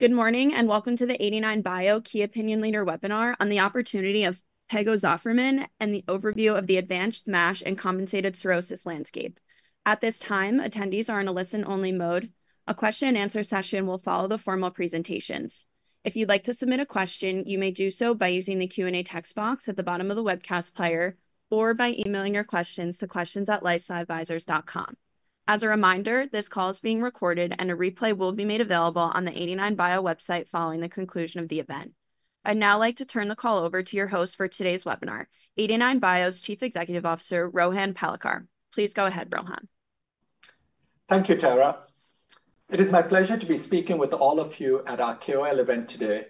Good morning, and welcome to the 89bio key opinion leader webinar on the opportunity of pegozafermin and the overview of the advanced MASH and compensated cirrhosis landscape. At this time, attendees are in a listen-only mode. A question and answer session will follow the formal presentations. If you'd like to submit a question, you may do so by using the Q&A text box at the bottom of the webcast player or by emailing your questions to questions@lifesciadvisors.com. As a reminder, this call is being recorded, and a replay will be made available on the 89bio website following the conclusion of the event. I'd now like to turn the call over to your host for today's webinar, 89bio's Chief Executive Officer, Rohan Palekar. Please go ahead, Rohan. Thank you, Tara. It is my pleasure to be speaking with all of you at our KOL event today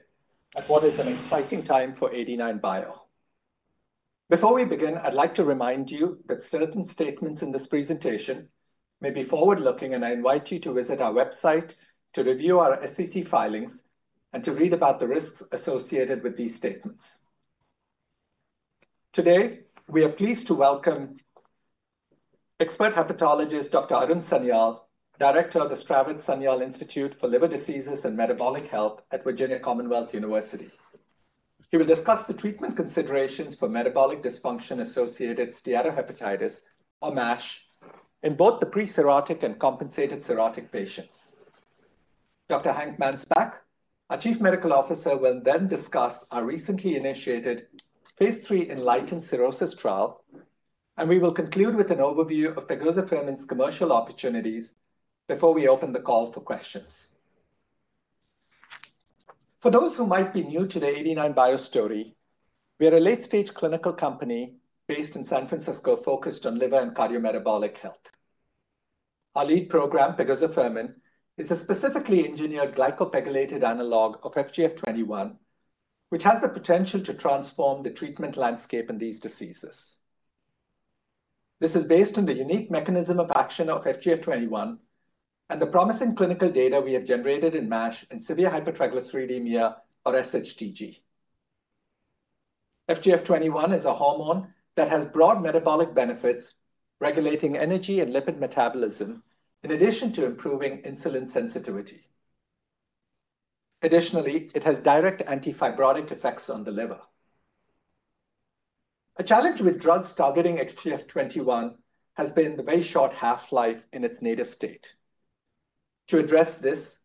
at what is an exciting time for 89bio. Before we begin, I'd like to remind you that certain statements in this presentation may be forward-looking, and I invite you to visit our website to review our SEC filings and to read about the risks associated with these statements. Today, we are pleased to welcome expert hepatologist, Dr. Arun Sanyal, Director of the Stravitz-Sanyal Institute for Liver Disease and Metabolic Health at Virginia Commonwealth University. He will discuss the treatment considerations for metabolic dysfunction-associated steatohepatitis, or MASH, in both the pre-cirrhotic and compensated cirrhotic patients. Dr. Hank Mansbach, our Chief Medical Officer, will then discuss our recently initiated phase III ENLIGHTEN-Cirrhosis Trial, and we will conclude with an overview of pegozafermin's commercial opportunities before we open the call for questions. For those who might be new to the 89bio story, we are a late-stage clinical company based in San Francisco, focused on liver and cardiometabolic health. Our lead program, pegozafermin, is a specifically engineered glycoPEGylated analog of FGF21, which has the potential to transform the treatment landscape in these diseases. This is based on the unique mechanism of action of FGF21 and the promising clinical data we have generated in MASH and severe hypertriglyceridemia, or SHTG. FGF21 is a hormone that has broad metabolic benefits, regulating energy and lipid metabolism, in addition to improving insulin sensitivity. Additionally, it has direct anti-fibrotic effects on the liver. A challenge with drugs targeting FGF21 has been the very short half-life in its native state. To address this,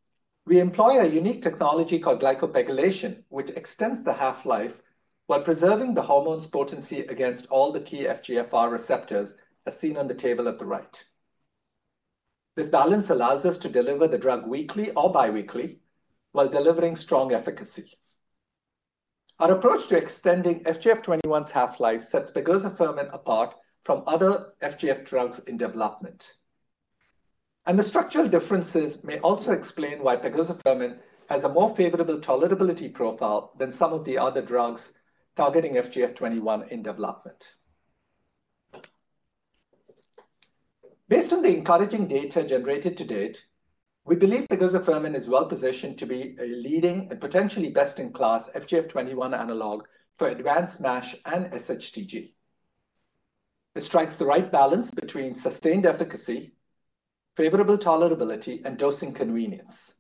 we employ a unique technology called glycoPEGylation, which extends the half-life while preserving the hormone's potency against all the key FGFR receptors, as seen on the table at the right. This balance allows us to deliver the drug weekly or biweekly while delivering strong efficacy. Our approach to extending FGF21's half-life sets pegozafermin apart from other FGF drugs in development. And the structural differences may also explain why pegozafermin has a more favorable tolerability profile than some of the other drugs targeting FGF21 in development. Based on the encouraging data generated to date, we believe pegozafermin is well positioned to be a leading and potentially best-in-class FGF21 analog for advanced MASH and SHTG. It strikes the right balance between sustained efficacy, favorable tolerability, and dosing convenience.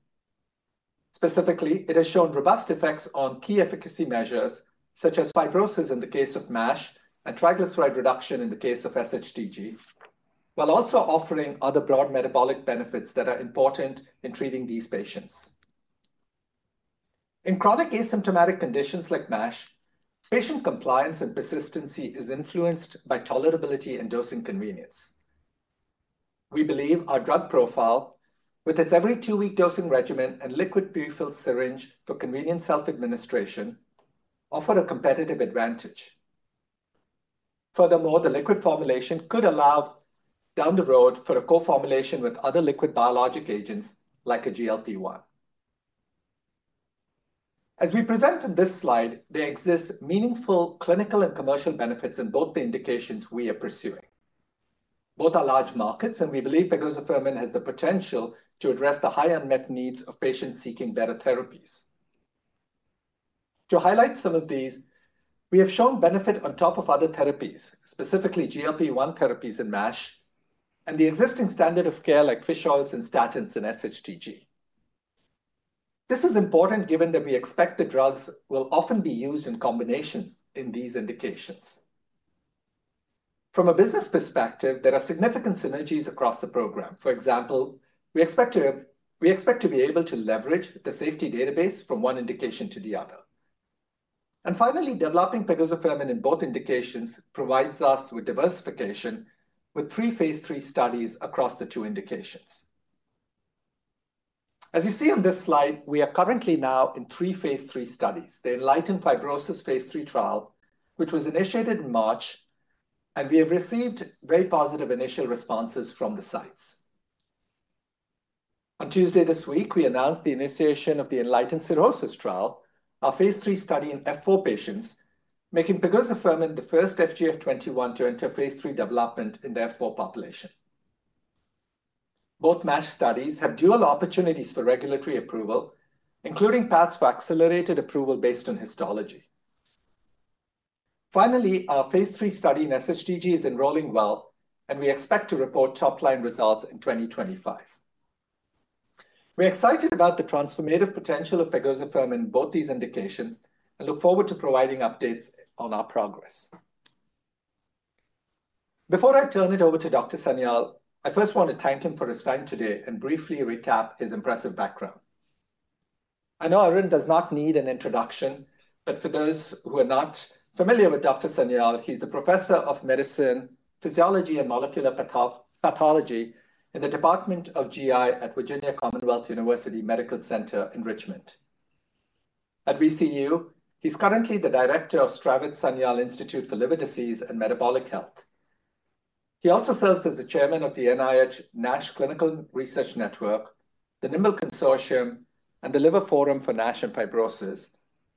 Specifically, it has shown robust effects on key efficacy measures, such as fibrosis in the case of MASH and triglyceride reduction in the case of SHTG, while also offering other broad metabolic benefits that are important in treating these patients. In chronic asymptomatic conditions like MASH, patient compliance and persistency is influenced by tolerability and dosing convenience. We believe our drug profile, with its every two-week dosing regimen and liquid pre-filled syringe for convenient self-administration, offer a competitive advantage. Furthermore, the liquid formulation could allow, down the road, for a co-formulation with other liquid biologic agents, like a GLP-1. As we presented this slide, there exists meaningful clinical and commercial benefits in both the indications we are pursuing. Both are large markets, and we believe pegozafermin has the potential to address the high unmet needs of patients seeking better therapies. To highlight some of these, we have shown benefit on top of other therapies, specifically GLP-1 therapies in MASH, and the existing standard of care, like fish oils and statins in SHTG. This is important given that we expect the drugs will often be used in combinations in these indications. From a business perspective, there are significant synergies across the program. For example, we expect to be able to leverage the safety database from one indication to the other. And finally, developing pegozafermin in both indications provides us with diversification with three phase III studies across the two indications. As you see on this slide, we are currently now in three phase III studies. The ENLIGHTEN-Fibrosis phase III trial, which was initiated in March. And we have received very positive initial responses from the sites. On Tuesday this week, we announced the initiation of the ENLIGHTEN-Cirrhosis trial, our phase III study in F4 patients, making pegozafermin the first FGF21 to enter phase III development in the F4 population. Both MASH studies have dual opportunities for regulatory approval, including paths for accelerated approval based on histology. Finally, our phase III study in SHTG is enrolling well, and we expect to report top-line results in 2025. We're excited about the transformative potential of pegozafermin in both these indications and look forward to providing updates on our progress. Before I turn it over to Dr. Sanyal, I first want to thank him for his time today and briefly recap his impressive background. I know Arun does not need an introduction, but for those who are not familiar with Dr. Sanyal, he's the Professor of Medicine, Physiology, and Molecular Pathology in the Department of GI at Virginia Commonwealth University Medical Center in Richmond. At VCU, he's currently the director of Stravitz-Sanyal Institute for Liver Disease and Metabolic Health. He also serves as the chairman of the NIH NASH Clinical Research Network, the NIMBLE Consortium, and the Liver Forum for NASH and Fibrosis,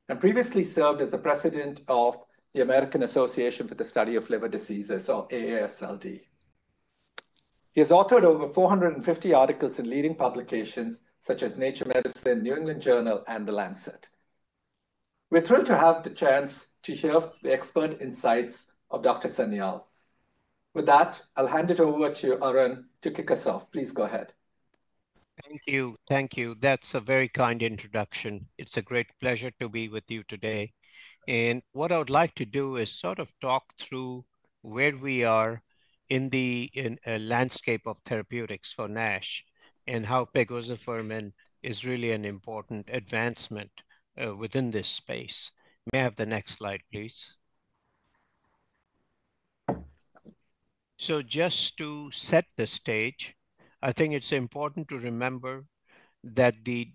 and previously served as the president of the American Association for the Study of Liver Diseases, or AASLD. He has authored over 450 articles in leading publications such as Nature Medicine, New England Journal, and The Lancet. We're thrilled to have the chance to hear the expert insights of Dr. Sanyal. With that, I'll hand it over to you, Arun, to kick us off. Please go ahead. Thank you. Thank you. That's a very kind introduction. It's a great pleasure to be with you today. What I would like to do is sort of talk through where we are in the landscape of therapeutics for NASH and how pegozafermin is really an important advancement within this space. May I have the next slide, please? So just to set the stage, I think it's important to remember that the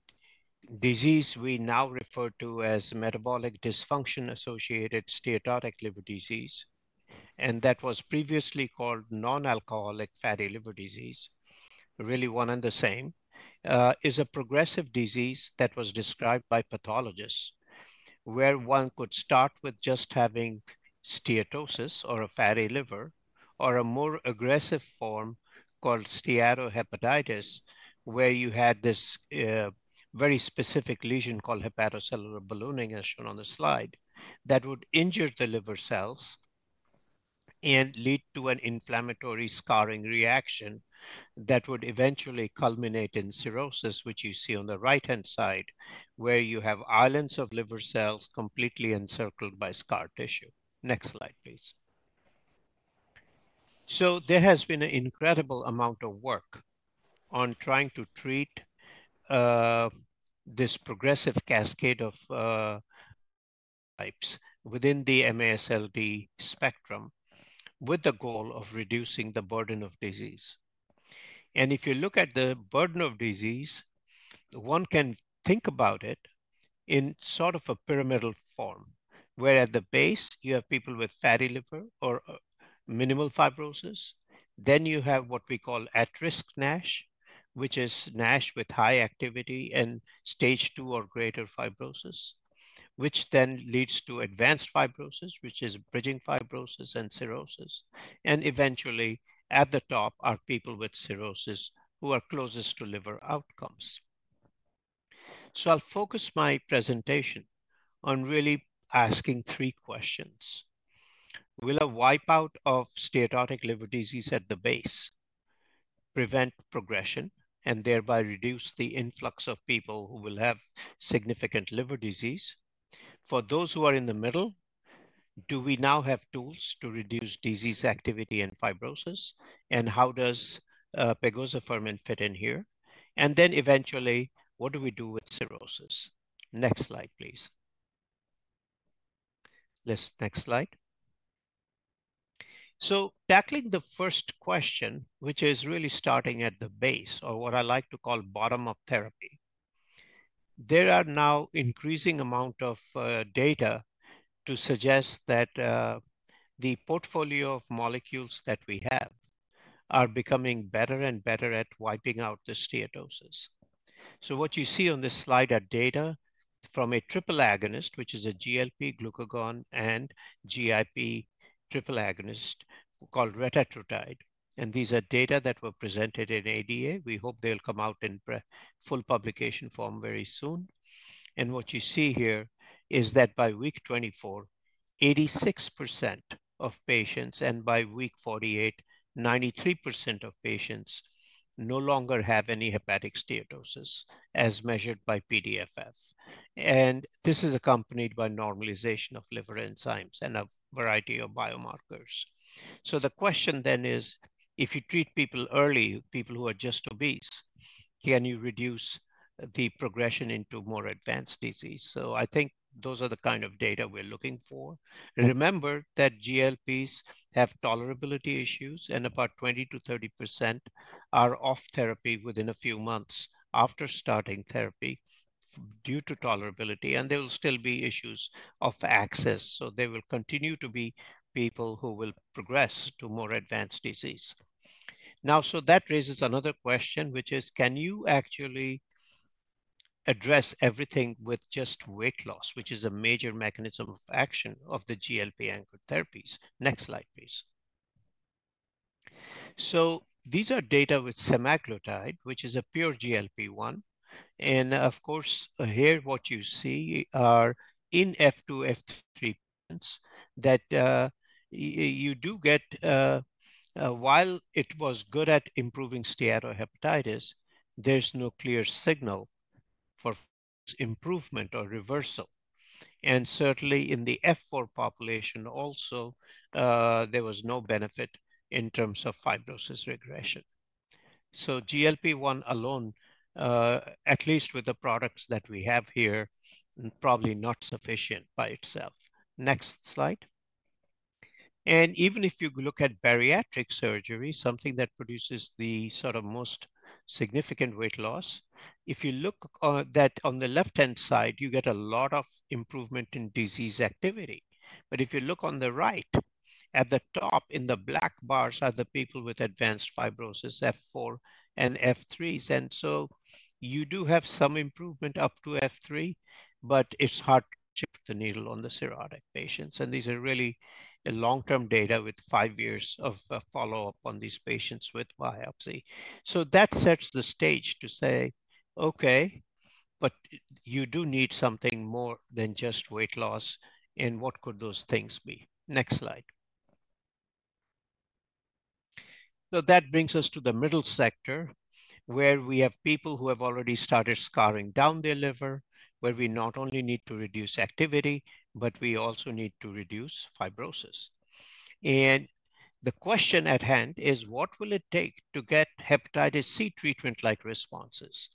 disease we now refer to as metabolic dysfunction-associated steatotic liver disease, and that was previously called non-alcoholic fatty liver disease, really one and the same, is a progressive disease that was described by pathologists, where one could start with just having steatosis, or a fatty liver, or a more aggressive form called steatohepatitis, where you had this, very specific lesion called hepatocellular ballooning, as shown on the slide, that would injure the liver cells and lead to an inflammatory scarring reaction that would eventually culminate in cirrhosis, which you see on the right-hand side, where you have islands of liver cells completely encircled by scar tissue. Next slide, please. So there has been an incredible amount of work on trying to treat, this progressive cascade of, types within the MASLD spectrum, with the goal of reducing the burden of disease. And if you look at the burden of disease, one can think about it in sort of a pyramidal form, where at the base you have people with fatty liver or, minimal fibrosis. Then you have what we call at-risk NASH, which is NASH with high activity and Stage II or greater fibrosis, which then leads to advanced fibrosis, which is bridging fibrosis and cirrhosis. And eventually, at the top are people with cirrhosis who are closest to liver outcomes. So I'll focus my presentation on really asking three questions: Will a wipeout of steatotic liver disease at the base prevent progression and thereby reduce the influx of people who will have significant liver disease? For those who are in the middle, do we now have tools to reduce disease activity and fibrosis, and how does pegozafermin fit in here? And then eventually, what do we do with cirrhosis? Next slide, please. This next slide. So tackling the first question, which is really starting at the base, or what I like to call bottom-up therapy, there are now increasing amount of data to suggest that the portfolio of molecules that we have are becoming better and better at wiping out the steatosis. So what you see on this slide are data from a triple agonist, which is a GLP, glucagon, and GIP triple agonist called retatrutide, and these are data that were presented in ADA. We hope they'll come out in pre- full publication form very soon. And what you see here is that by week 24, 86% of patients, and by week 48, 93% of patients no longer have any hepatic steatosis, as measured by PDFF. And this is accompanied by normalization of liver enzymes and a variety of biomarkers. So the question then is: If you treat people early, people who are just obese, can you reduce the progression into more advanced disease? So I think those are the kind of data we're looking for. Remember that GLPs have tolerability issues, and about 20%-30% are off therapy within a few months after starting therapy due to tolerability, and there will still be issues of access, so there will continue to be people who will progress to more advanced disease. Now, so that raises another question, which is: Can you actually address everything with just weight loss, which is a major mechanism of action of the GLP anchor therapies? Next slide, please. So these are data with semaglutide, which is a pure GLP-1. And of course, here what you see are in F2, F3 treatments that, you do get, while it was good at improving steatohepatitis, there's no clear signal for improvement or reversal. And certainly in the F4 population also, there was no benefit in terms of fibrosis regression. So GLP-1 alone, at least with the products that we have here, probably not sufficient by itself. Next slide. Even if you look at bariatric surgery, something that produces the sort of most significant weight loss, if you look, that on the left-hand side, you get a lot of improvement in disease activity. But if you look on the right, at the top in the black bars are the people with advanced fibrosis, F4 and F3s. And so you do have some improvement up to F3, but it's hard to shift the needle on the cirrhotic patients. And these are really a long-term data with five years of follow-up on these patients with biopsy. So that sets the stage to say, "Okay, but you do need something more than just weight loss, and what could those things be?" Next slide. So that brings us to the middle sector, where we have people who have already started scarring down their liver, where we not only need to reduce activity, but we also need to reduce fibrosis. And the question at hand is: What will it take to get hepatitis C treatment-like responses?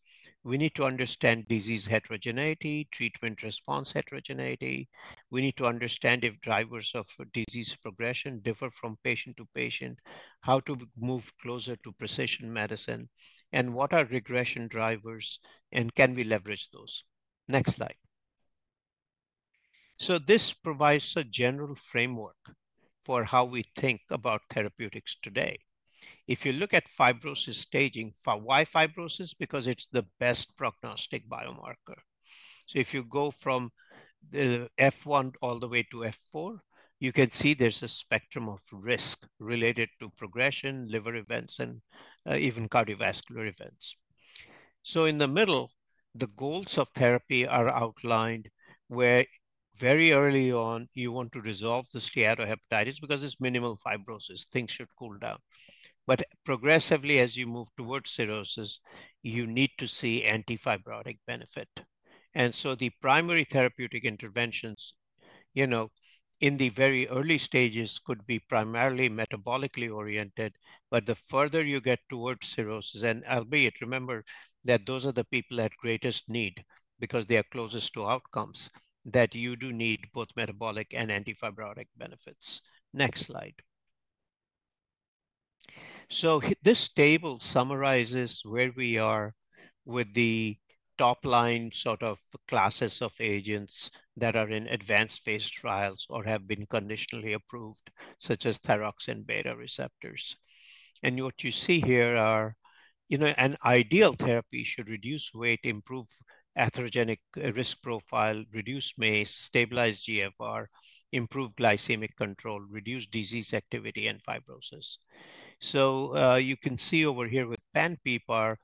We need to understand disease heterogeneity, treatment response heterogeneity. We need to understand if drivers of disease progression differ from patient to patient, how to move closer to precision medicine, and what are regression drivers, and can we leverage those? Next slide. So this provides a general framework for how we think about therapeutics today. If you look at fibrosis staging, why fibrosis? Because it's the best prognostic biomarker. So if you go from the F1 all the way to F4, you can see there's a spectrum of risk related to progression, liver events, and even cardiovascular events. So in the middle, the goals of therapy are outlined, where very early on, you want to resolve the steatohepatitis because it's minimal fibrosis, things should cool down. But progressively, as you move towards cirrhosis, you need to see antifibrotic benefit. And so the primary therapeutic interventions, you know, in the very early stages, could be primarily metabolically oriented. But the further you get towards cirrhosis, and albeit, remember that those are the people at greatest need because they are closest to outcomes, that you do need both metabolic and antifibrotic benefits. Next slide. So this table summarizes where we are with the top-line sort of classes of agents that are in advanced phase trials or have been conditionally approved, such as thyroid beta receptors. And what you see here are, you know, an ideal therapy should reduce weight, improve atherogenic risk profile, reduce MACE, stabilize GFR, improve glycemic control, reduce disease activity and fibrosis. So you can see over here with pan-PPARs,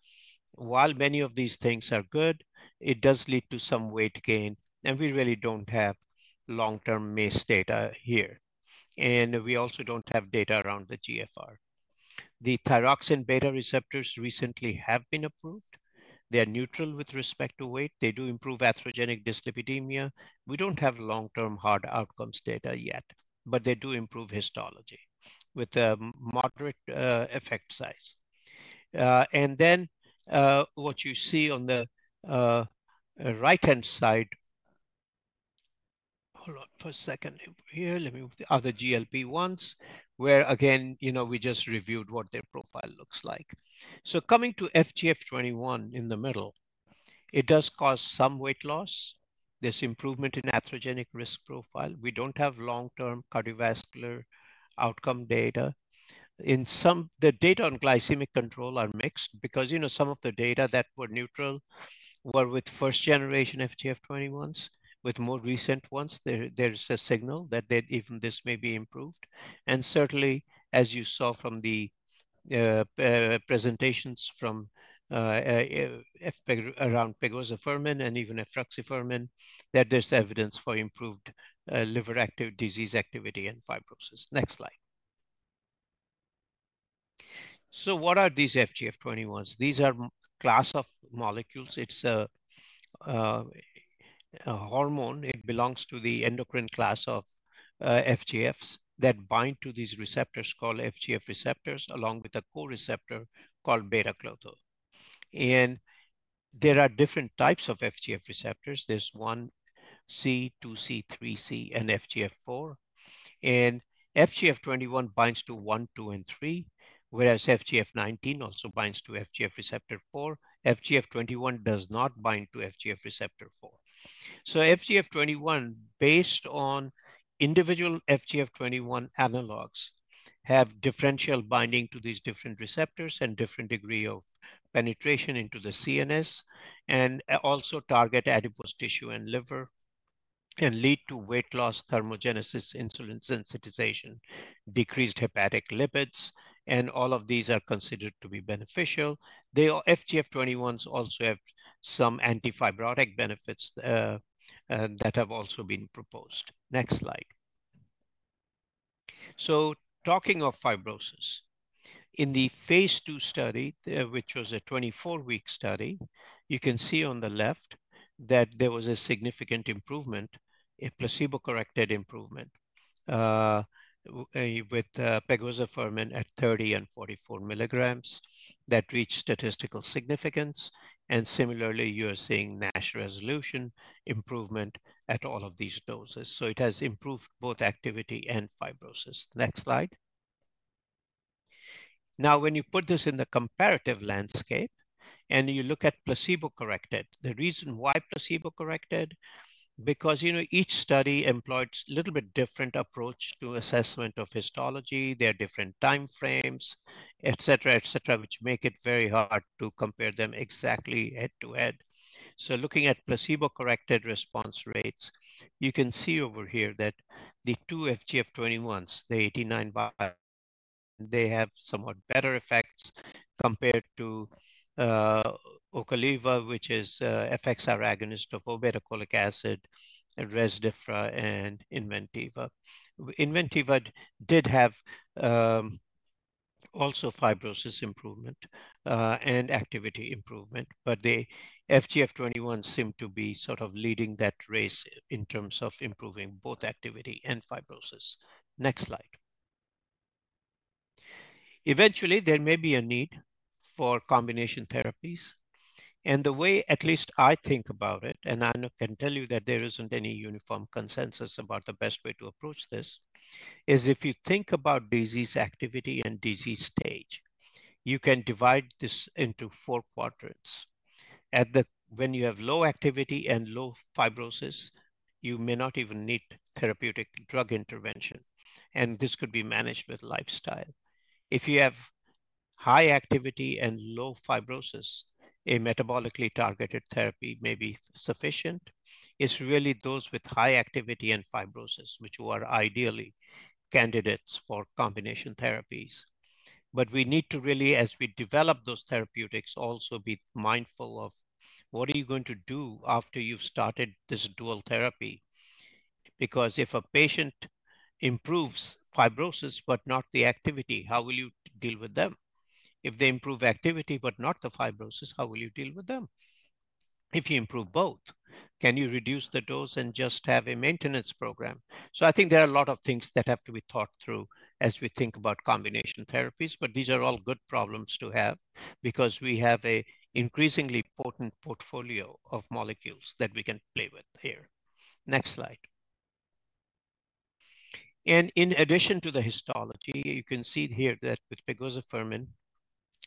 while many of these things are good, it does lead to some weight gain, and we really don't have long-term MACE data here. And we also don't have data around the GFR. The thyroid beta receptors recently have been approved. They are neutral with respect to weight. They do improve atherogenic dyslipidemia. We don't have long-term hard outcomes data yet, but they do improve histology with a moderate effect size. And then, what you see on the right-hand side. Hold on for a second here. Let me move the other GLP-1s, where, again, you know, we just reviewed what their profile looks like. So coming to FGF21 in the middle, it does cause some weight loss. There's improvement in atherogenic risk profile. We don't have long-term cardiovascular outcome data. In some, the data on glycemic control are mixed because, you know, some of the data that were neutral were with first-generation FGF21s. With more recent ones, there is a signal that even this may be improved. And certainly, as you saw from the presentations around pegozafermin and even efruxifermin, that there's evidence for improved liver disease activity and fibrosis. Next slide. So what are these FGF21s? These are a class of molecules. It's a hormone. It belongs to the endocrine class of FGFs that bind to these receptors called FGF receptors, along with a co-receptor called beta-klotho. There are different types of FGF receptors. There's 1c, 2c, 3c, and FGF4. FGF21 binds to one, two and three, whereas FGF19 also binds to FGF receptor 4. FGF21 does not bind to FGF receptor four. So FGF21, based on individual FGF21 analogs, have differential binding to these different receptors and different degree of penetration into the CNS, and also target adipose tissue and liver... and lead to weight loss, thermogenesis, insulin sensitization, decreased hepatic lipids, and all of these are considered to be beneficial. The FGF21s also have some anti-fibrotic benefits that have also been proposed. Next slide. So talking of fibrosis, in the phase 2 study, which was a 24-week study, you can see on the left that there was a significant improvement, a placebo-corrected improvement, with pegozafermin at 30 and 44 milligrams that reached statistical significance. And similarly, you are seeing NASH resolution improvement at all of these doses. So it has improved both activity and fibrosis. Next slide. Now, when you put this in the comparative landscape and you look at placebo-corrected, the reason why placebo-corrected, because, you know, each study employs a little bit different approach to assessment of histology. There are different time frames, et cetera, et cetera, which make it very hard to compare them exactly head-to-head. So looking at placebo-corrected response rates, you can see over here that the two FGF21s, the 89bio, they have somewhat better effects compared to Ocaliva, which is FXR agonist of obeticholic acid, Rezdiffra and Inventiva. Inventiva did have also fibrosis improvement and activity improvement, but the FGF21 seem to be sort of leading that race in terms of improving both activity and fibrosis. Next slide. Eventually, there may be a need for combination therapies, and the way at least I think about it, and I can tell you that there isn't any uniform consensus about the best way to approach this, is if you think about disease activity and disease stage, you can divide this into four quadrants. When you have low activity and low fibrosis, you may not even need therapeutic drug intervention, and this could be managed with lifestyle. If you have high activity and low fibrosis, a metabolically targeted therapy may be sufficient. It's really those with high activity and fibrosis, who are ideally candidates for combination therapies. But we need to really, as we develop those therapeutics, also be mindful of what are you going to do after you've started this dual therapy? Because if a patient improves fibrosis, but not the activity, how will you deal with them? If they improve activity but not the fibrosis, how will you deal with them? If you improve both, can you reduce the dose and just have a maintenance program? So I think there are a lot of things that have to be thought through as we think about combination therapies, but these are all good problems to have because we have an increasingly potent portfolio of molecules that we can play with here. Next slide. In addition to the histology, you can see here that with pegozafermin,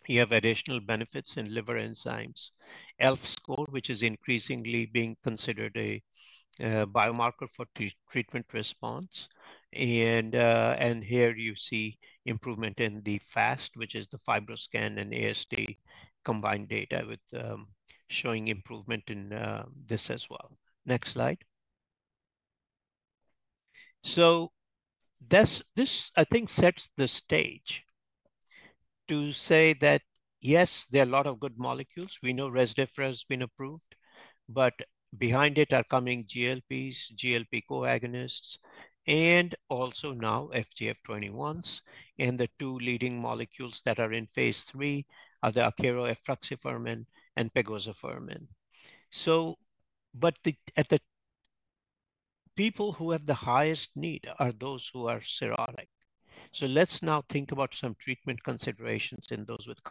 you have additional benefits in liver enzymes. ELF score, which is increasingly being considered a biomarker for treatment response. And here you see improvement in the FAST, which is the FibroScan and AST combined data showing improvement in this as well. Next slide. So this, I think, sets the stage to say that, yes, there are a lot of good molecules. We know Rezdiffra has been approved, but behind it are coming GLPs, GLP co-agonists, and also now FGF21s. And the two leading molecules that are in phase 3 are the Akero efruxifermin and pegozafermin. So people who have the highest need are those who are cirrhotic. So let's now think about some treatment considerations in those with-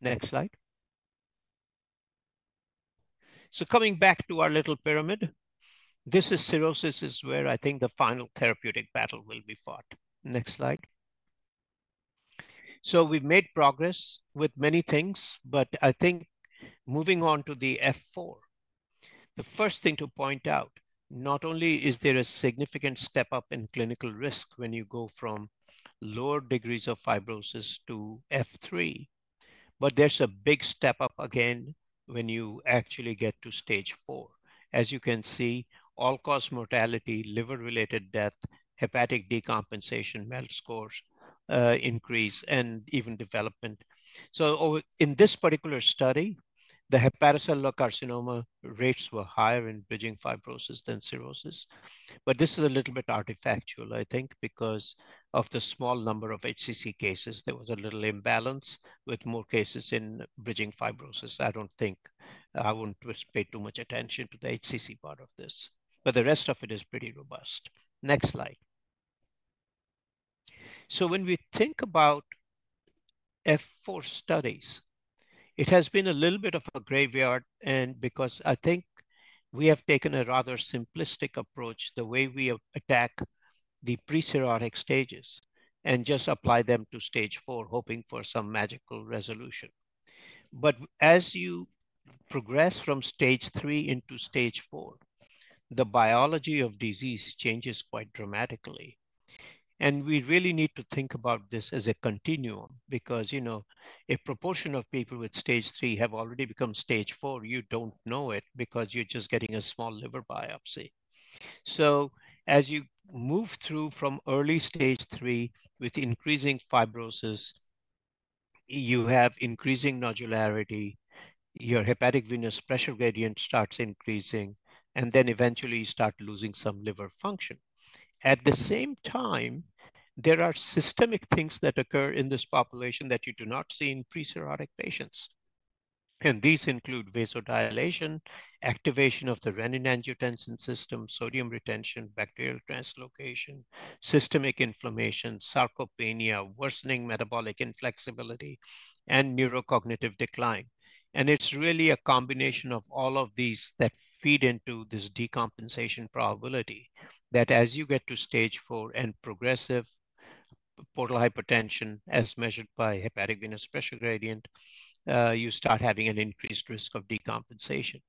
Next slide. So coming back to our little pyramid, this is cirrhosis, is where I think the final therapeutic battle will be fought. Next slide. So we've made progress with many things, but I think moving on to the F4, the first thing to point out, not only is there a significant step up in clinical risk when you go from lower degrees of fibrosis to F3, but there's a big step up again when you actually get to stage four. As you can see, all-cause mortality, liver-related death, hepatic decompensation, MELD scores, increase and even development. So in this particular study, the hepatocellular carcinoma rates were higher in bridging fibrosis than cirrhosis. But this is a little bit artifactual, I think, because of the small number of HCC cases. There was a little imbalance, with more cases in bridging fibrosis. I don't think... I wouldn't pay too much attention to the HCC part of this, but the rest of it is pretty robust. Next slide. So when we think about F4 studies, it has been a little bit of a graveyard, and because I think we have taken a rather simplistic approach, the way we attack the pre-cirrhotic stages and just apply them to stage four, hoping for some magical resolution. But as you progress from stage three into stage four, the biology of disease changes quite dramatically. We really need to think about this as a continuum, because, you know, a proportion of people with stage three have already become stage four. You don't know it because you're just getting a small liver biopsy. So as you move through from early stage three with increasing fibrosis, you have increasing nodularity, your hepatic venous pressure gradient starts increasing, and then eventually you start losing some liver function. At the same time, there are systemic things that occur in this population that you do not see in pre-cirrhotic patients, and these include vasodilation, activation of the renin-angiotensin system, sodium retention, bacterial translocation, systemic inflammation, sarcopenia, worsening metabolic inflexibility, and neurocognitive decline. And it's really a combination of all of these that feed into this decompensation probability, that as you get to stage four and progressive portal hypertension as measured by hepatic venous pressure gradient, you start having an increased risk of decompensation.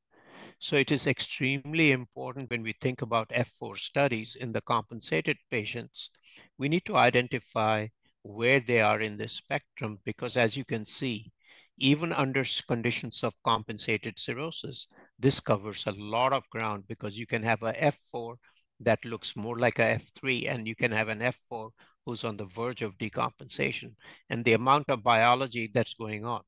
So it is extremely important when we think about F4 studies in the compensated patients, we need to identify where they are in this spectrum, because as you can see, even under conditions of compensated cirrhosis, this covers a lot of ground because you can have an F4 that looks more like an F3, and you can have an F4 who's on the verge of decompensation. And the amount of biology that's going on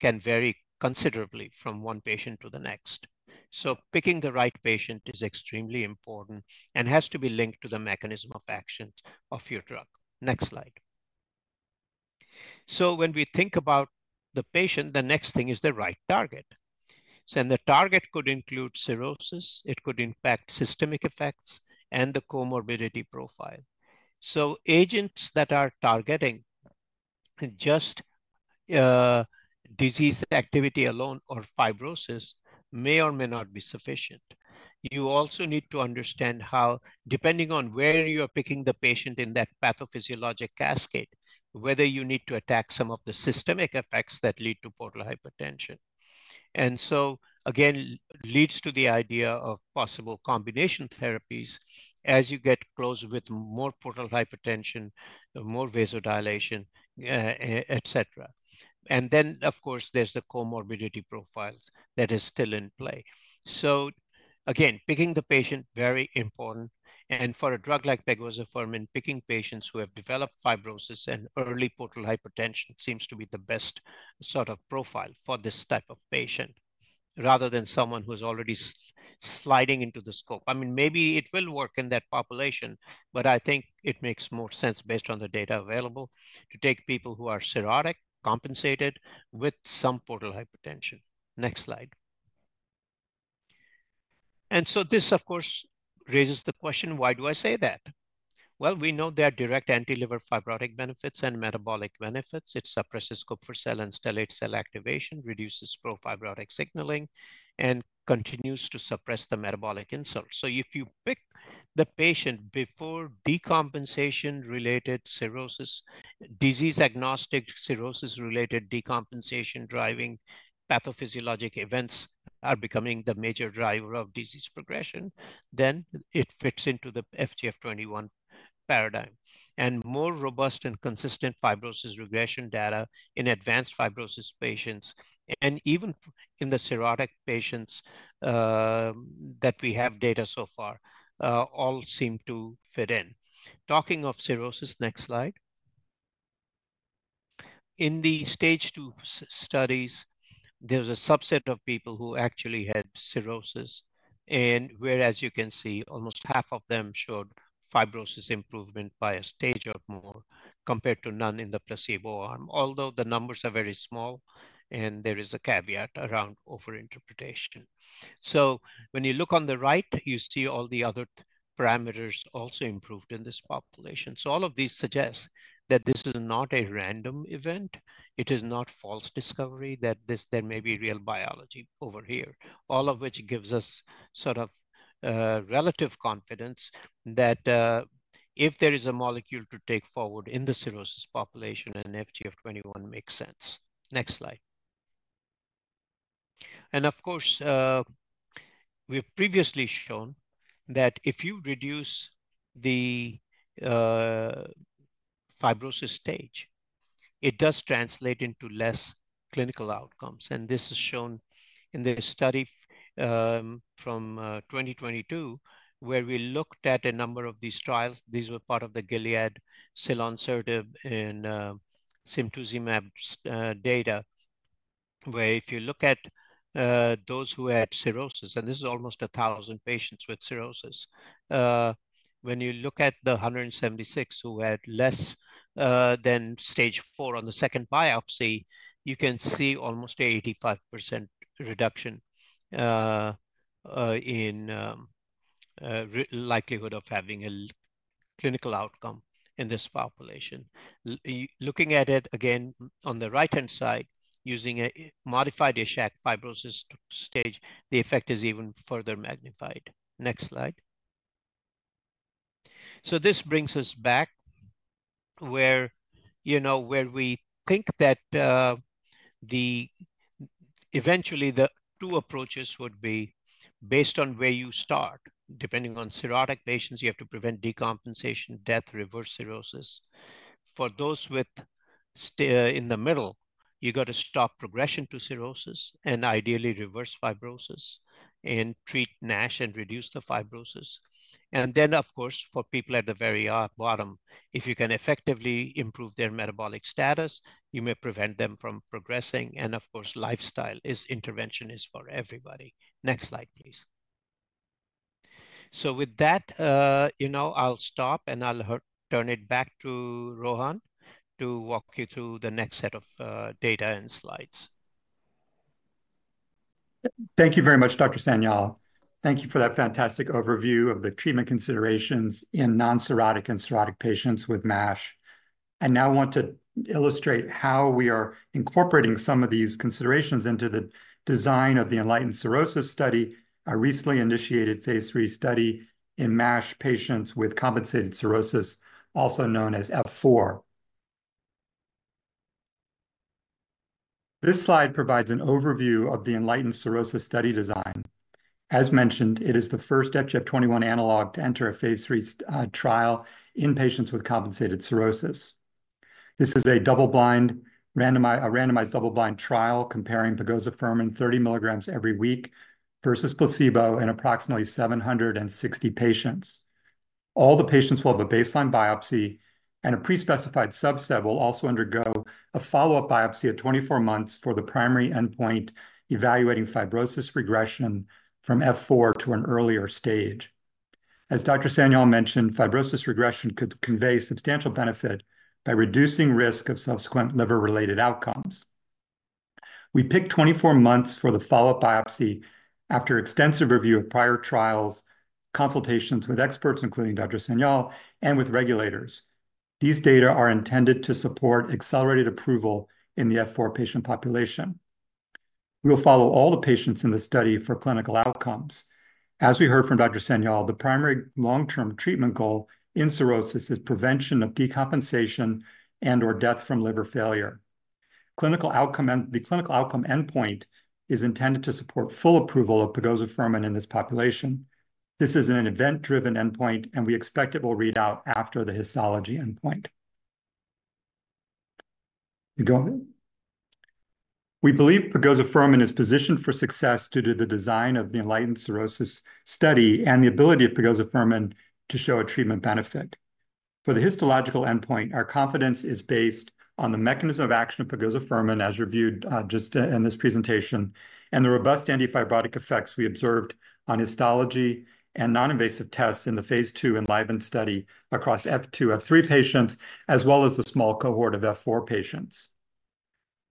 can vary considerably from one patient to the next. So picking the right patient is extremely important and has to be linked to the mechanism of action of your drug. Next slide. So when we think about the patient, the next thing is the right target. So then the target could include cirrhosis, it could impact systemic effects and the comorbidity profile. So agents that are targeting just disease activity alone or fibrosis may or may not be sufficient. You also need to understand how, depending on where you are picking the patient in that pathophysiologic cascade, whether you need to attack some of the systemic effects that lead to portal hypertension. And so, again, leads to the idea of possible combination therapies as you get close with more portal hypertension, more vasodilation, etc. And then, of course, there's the comorbidity profiles that is still in play. So again, picking the patient, very important. And for a drug like pegozafermin, picking patients who have developed fibrosis and early portal hypertension seems to be the best sort of profile for this type of patient, rather than someone who is already sliding into the scope. I mean, maybe it will work in that population, but I think it makes more sense based on the data available, to take people who are cirrhotic, compensated with some portal hypertension. Next slide. And so this, of course, raises the question, why do I say that? Well, we know there are direct anti-liver fibrotic benefits and metabolic benefits. It suppresses Kupffer cell and stellate cell activation, reduces pro-fibrotic signaling, and continues to suppress the metabolic insult. So if you pick the patient before decompensation-related cirrhosis, disease-agnostic, cirrhosis-related decompensation, driving pathophysiologic events are becoming the major driver of disease progression, then it fits into the FGF 21 paradigm. And more robust and consistent fibrosis regression data in advanced fibrosis patients and even in the cirrhotic patients, that we have data so far, all seem to fit in. Talking of cirrhosis, next slide. In the stage two studies, there's a subset of people who actually had cirrhosis, and whereas you can see, almost half of them showed fibrosis improvement by a stage or more compared to none in the placebo arm, although the numbers are very small and there is a caveat around overinterpretation. So when you look on the right, you see all the other parameters also improved in this population. So all of these suggest that this is not a random event, it is not false discovery, that this, there may be real biology over here. All of which gives us sort of relative confidence that if there is a molecule to take forward in the cirrhosis population, then FGF21 makes sense. Next slide. Of course, we've previously shown that if you reduce the fibrosis stage, it does translate into less clinical outcomes. This is shown in the study from 2022, where we looked at a number of these trials. These were part of the Gilead selonsertib and simtuzumab data, where if you look at those who had cirrhosis, and this is almost 1,000 patients with cirrhosis, when you look at the 176 who had less than stage four on the second biopsy, you can see almost an 85% reduction in likelihood of having a clinical outcome in this population. Looking at it again on the right-hand side, using a modified Ishak fibrosis stage, the effect is even further magnified. Next slide. This brings us back where, you know, where we think that eventually the two approaches would be based on where you start. Depending on cirrhotic patients, you have to prevent decompensation, death, reverse cirrhosis. For those with stage in the middle, you got to stop progression to cirrhosis and ideally reverse fibrosis and treat NASH and reduce the fibrosis. And then, of course, for people at the very bottom, if you can effectively improve their metabolic status, you may prevent them from progressing. And of course, lifestyle intervention is for everybody. Next slide, please. So with that, you know, I'll stop, and I'll turn it back to Rohan to walk you through the next set of data and slides. Thank you very much, Dr. Sanyal. Thank you for that fantastic overview of the treatment considerations in non-cirrhotic and cirrhotic patients with MASH. I now want to illustrate how we are incorporating some of these considerations into the design of the ENLIGHTEN-CIRRHOSIS study, a recently initiated phase III study in MASH patients with compensated cirrhosis, also known as F4. This slide provides an overview of the ENLIGHTEN-CIRRHOSIS study design. As mentioned, it is the first FGF21 analog to enter a phase III trial in patients with compensated cirrhosis. This is a randomized double-blind trial comparing pegozafermin 30 milligrams every week versus placebo in approximately 760 patients. All the patients will have a baseline biopsy, and a pre-specified subset will also undergo a follow-up biopsy at 24 months for the primary endpoint, evaluating fibrosis regression from F4 to an earlier stage. As Dr. Sanyal mentioned, fibrosis regression could convey substantial benefit by reducing risk of subsequent liver-related outcomes. We picked 24 months for the follow-up biopsy after extensive review of prior trials, consultations with experts, including Dr. Sanyal, and with regulators. These data are intended to support accelerated approval in the F4 patient population. We will follow all the patients in the study for clinical outcomes. As we heard from Dr. Sanyal, the primary long-term treatment goal in cirrhosis is prevention of decompensation and or death from liver failure. The clinical outcome endpoint is intended to support full approval of pegozafermin in this population. This is an event-driven endpoint, and we expect it will read out after the histology endpoint. Go ahead. We believe pegozafermin is positioned for success due to the design of the ENLIGHTEN-Cirrhosis study and the ability of pegozafermin to show a treatment benefit. For the histological endpoint, our confidence is based on the mechanism of action of pegozafermin, as reviewed just in this presentation, and the robust anti-fibrotic effects we observed on histology and non-invasive tests in the phase II ENLIVEN study across F2, F3 patients, as well as the small cohort of F4 patients.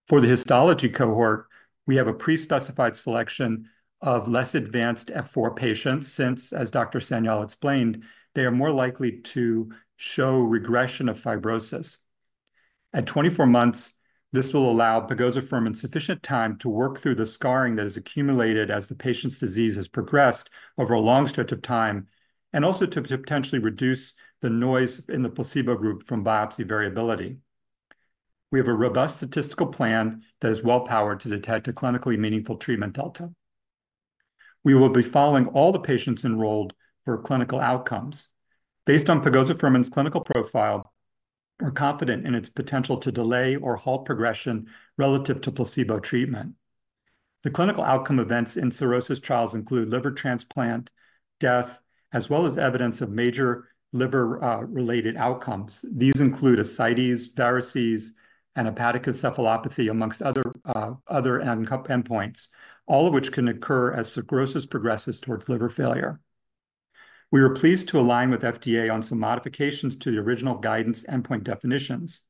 For the histology cohort, we have a pre-specified selection of less advanced F4 patients, since, as Dr. Sanyal explained, they are more likely to show regression of fibrosis. At 24 months, this will allow pegozafermin sufficient time to work through the scarring that has accumulated as the patient's disease has progressed over a long stretch of time, and also to potentially reduce the noise in the placebo group from biopsy variability. We have a robust statistical plan that is well powered to detect a clinically meaningful treatment delta. We will be following all the patients enrolled for clinical outcomes. Based on pegozafermin's clinical profile, we're confident in its potential to delay or halt progression relative to placebo treatment. The clinical outcome events in cirrhosis trials include liver transplant, death, as well as evidence of major liver related outcomes. These include ascites, varices, and hepatic encephalopathy, amongst other end- endpoints, all of which can occur as cirrhosis progresses towards liver failure. We were pleased to align with FDA on some modifications to the original guidance endpoint definitions.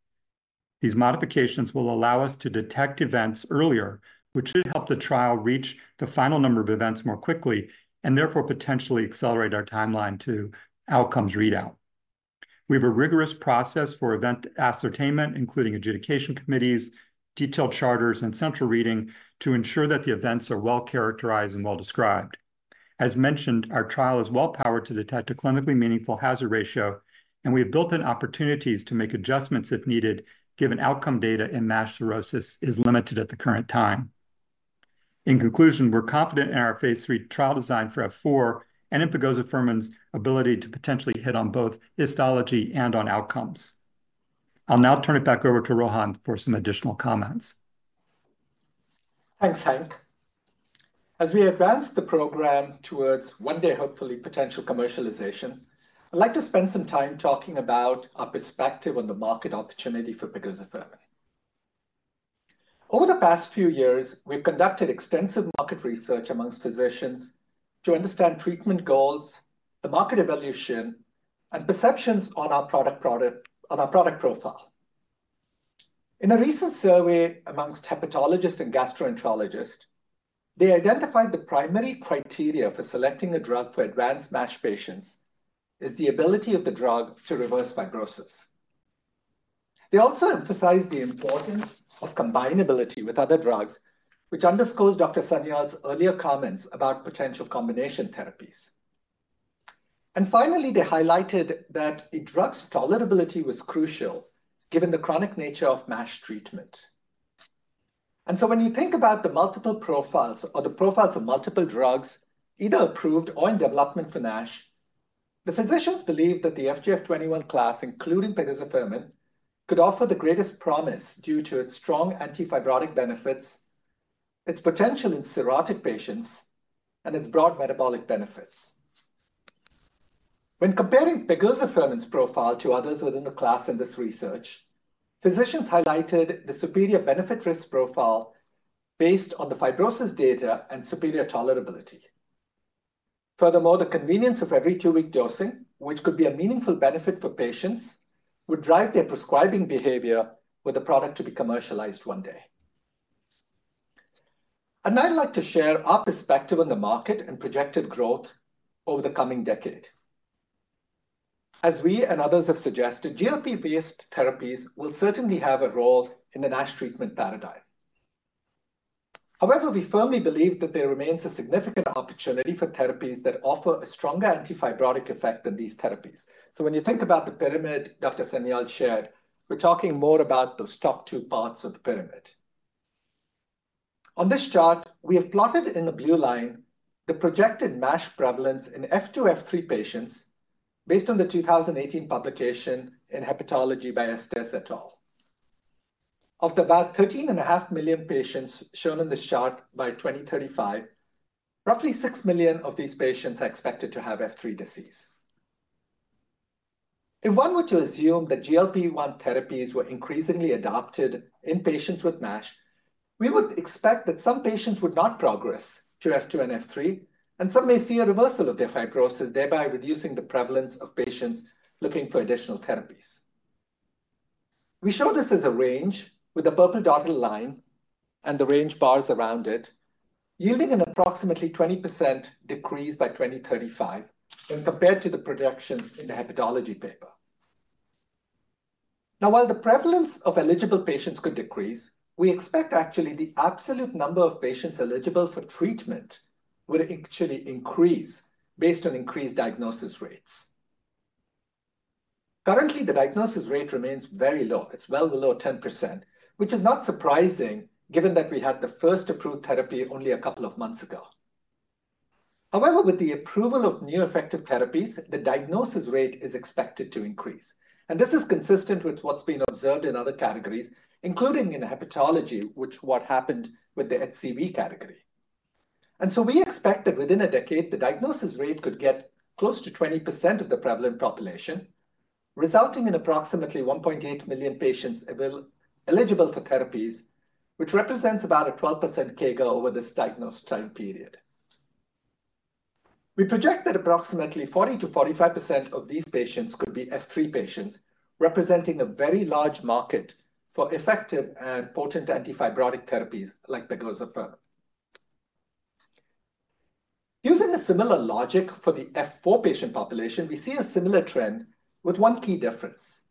These modifications will allow us to detect events earlier, which should help the trial reach the final number of events more quickly and therefore potentially accelerate our timeline to outcomes readout. We have a rigorous process for event ascertainment, including adjudication committees, detailed charters, and central reading to ensure that the events are well characterized and well described. As mentioned, our trial is well powered to detect a clinically meaningful hazard ratio, and we have built in opportunities to make adjustments if needed, given outcome data in MASH cirrhosis is limited at the current time. In conclusion, we're confident in our phase III trial design for F4 and in pegozafermin's ability to potentially hit on both histology and on outcomes. I'll now turn it back over to Rohan for some additional comments. Thanks, Hank. As we advance the program towards one day, hopefully potential commercialization, I'd like to spend some time talking about our perspective on the market opportunity for pegozafermin. Over the past few years, we've conducted extensive market research amongst physicians to understand treatment goals, the market evolution, and perceptions on our product profile. In a recent survey amongst hepatologists and gastroenterologists, they identified the primary criteria for selecting a drug for advanced MASH patients is the ability of the drug to reverse fibrosis. They also emphasized the importance of combinability with other drugs, which underscores Dr. Sanyal's earlier comments about potential combination therapies. And finally, they highlighted that a drug's tolerability was crucial, given the chronic nature of MASH treatment. And so when you think about the multiple profiles or the profiles of multiple drugs, either approved or in development for NASH, the physicians believe that the FGF21 class, including pegozafermin, could offer the greatest promise due to its strong anti-fibrotic benefits, its potential in cirrhotic patients, and its broad metabolic benefits. When comparing pegozafermin's profile to others within the class in this research, physicians highlighted the superior benefit risk profile based on the fibrosis data and superior tolerability. Furthermore, the convenience of every two-week dosing, which could be a meaningful benefit for patients, would drive their prescribing behavior with the product to be commercialized one day. And I'd like to share our perspective on the market and projected growth over the coming decade. As we and others have suggested, GLP-based therapies will certainly have a role in the NASH treatment paradigm. However, we firmly believe that there remains a significant opportunity for therapies that offer a stronger anti-fibrotic effect than these therapies. So when you think about the pyramid Dr. Sanyal shared, we're talking more about those top two parts of the pyramid. On this chart, we have plotted in the blue line the projected MASH prevalence in F2, F3 patients based on the 2018 publication in Hepatology by Estes et al. Of the about 13.5 million patients shown on this chart by 2035, roughly 6 million of these patients are expected to have F3 disease. If one were to assume that GLP-1 therapies were increasingly adopted in patients with MASH, we would expect that some patients would not progress to F2 and F3, and some may see a reversal of their fibrosis, thereby reducing the prevalence of patients looking for additional therapies. We show this as a range with a purple dotted line and the range bars around it, yielding an approximately 20% decrease by 2035 when compared to the projections in the Hepatology paper. Now, while the prevalence of eligible patients could decrease, we expect actually the absolute number of patients eligible for treatment would actually increase based on increased diagnosis rates. Currently, the diagnosis rate remains very low. It's well below 10%, which is not surprising given that we had the first approved therapy only a couple of months ago. However, with the approval of new effective therapies, the diagnosis rate is expected to increase, and this is consistent with what's been observed in other categories, including in hepatology, what happened with the HCV category. So we expect that within a decade, the diagnosis rate could get close to 20% of the prevalent population, resulting in approximately 1.8 million patients eligible for therapies, which represents about a 12% CAGR over this diagnosed time period. We project that approximately 40%-45% of these patients could be F3 patients, representing a very large market for effective and potent anti-fibrotic therapies like pegozafermin. Using a similar logic for the F4 patient population, we see a similar trend with one key difference.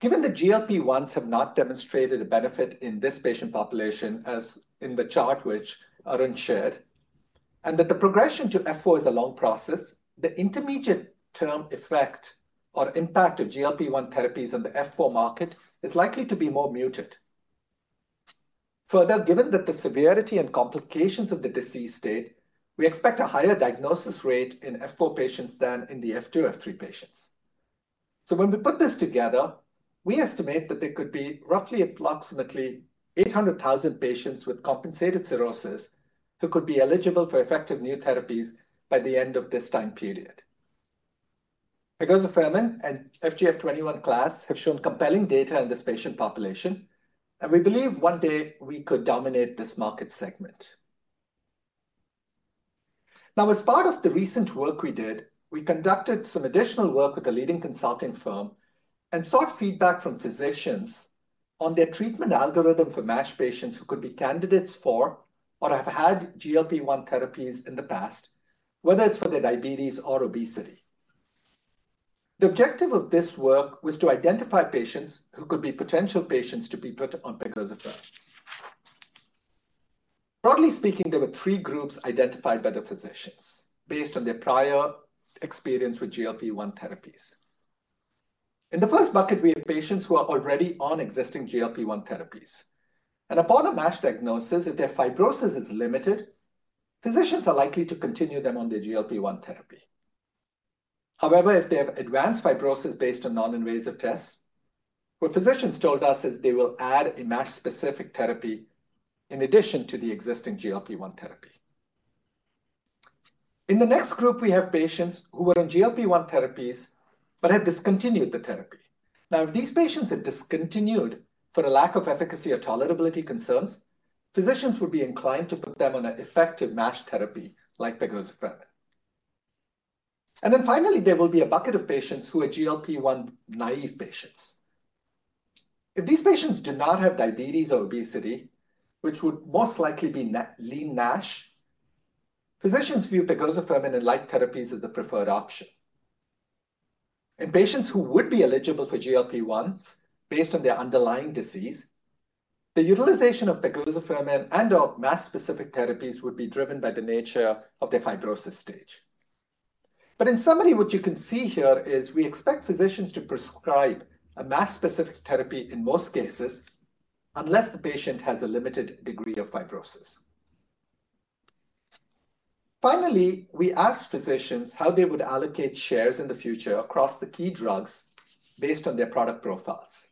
Given the GLP-1s have not demonstrated a benefit in this patient population, as in the chart which aren't shared, and that the progression to F4 is a long process, the intermediate-term effect or impact of GLP-1 therapies on the F4 market is likely to be more muted. Further, given that the severity and complications of the disease state, we expect a higher diagnosis rate in F4 patients than in the F2, F3 patients. So when we put this together, we estimate that there could be roughly approximately 800,000 patients with compensated cirrhosis who could be eligible for effective new therapies by the end of this time period. Pegozafermin and FGF21 class have shown compelling data in this patient population, and we believe one day we could dominate this market segment. Now, as part of the recent work we did, we conducted some additional work with a leading consulting firm and sought feedback from physicians on their treatment algorithm for MASH patients who could be candidates for or have had GLP-1 therapies in the past, whether it's for their diabetes or obesity. The objective of this work was to identify patients who could be potential patients to be put on pegozafermin. Broadly speaking, there were three groups identified by the physicians based on their prior experience with GLP-1 therapies. In the first bucket, we have patients who are already on existing GLP-1 therapies, and upon a MASH diagnosis, if their fibrosis is limited, physicians are likely to continue them on the GLP-1 therapy. However, if they have advanced fibrosis based on non-invasive tests, what physicians told us is they will add a MASH-specific therapy in addition to the existing GLP-1 therapy. In the next group, we have patients who were on GLP-1 therapies but have discontinued the therapy. Now, if these patients have discontinued for a lack of efficacy or tolerability concerns, physicians would be inclined to put them on an effective MASH therapy like pegozafermin. And then finally, there will be a bucket of patients who are GLP-1 naive patients. If these patients do not have diabetes or obesity, which would most likely be lean NASH, physicians view pegozafermin and like therapies as the preferred option. In patients who would be eligible for GLP-1s based on their underlying disease, the utilization of pegozafermin and/or MASH-specific therapies would be driven by the nature of their fibrosis stage. But in summary, what you can see here is we expect physicians to prescribe a MASH-specific therapy in most cases, unless the patient has a limited degree of fibrosis. Finally, we asked physicians how they would allocate shares in the future across the key drugs based on their product profiles.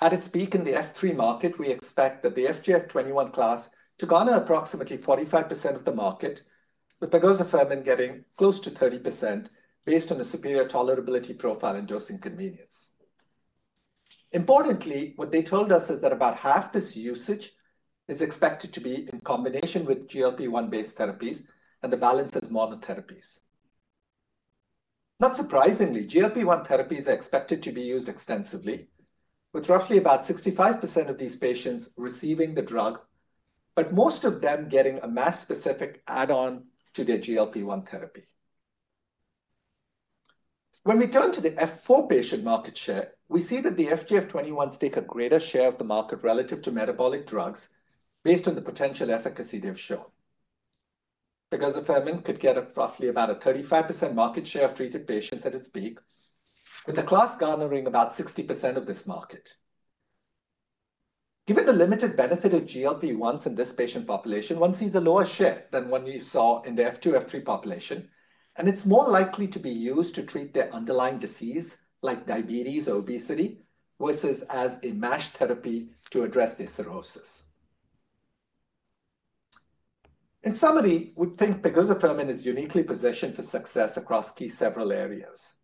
At its peak in the F3 market, we expect that the FGF21 class to garner approximately 45% of the market, with pegozafermin getting close to 30% based on a superior tolerability profile and dosing convenience. Importantly, what they told us is that about half this usage is expected to be in combination with GLP-1 based therapies, and the balance is monotherapies. Not surprisingly, GLP-1 therapies are expected to be used extensively, with roughly about 65% of these patients receiving the drug, but most of them getting a MASH-specific add-on to their GLP-1 therapy. When we turn to the F4 patient market share, we see that the FGF21s take a greater share of the market relative to metabolic drugs based on the potential efficacy they've shown. Pegozafermin could get a roughly about a 35% market share of treated patients at its peak, with the class garnering about 60% of this market. Given the limited benefit of GLP-1s in this patient population, one sees a lower share than what we saw in the F2, F3 population, and it's more likely to be used to treat their underlying disease, like diabetes, obesity, versus as a MASH therapy to address their cirrhosis. In summary, we think pegozafermin is uniquely positioned for success across key several areas.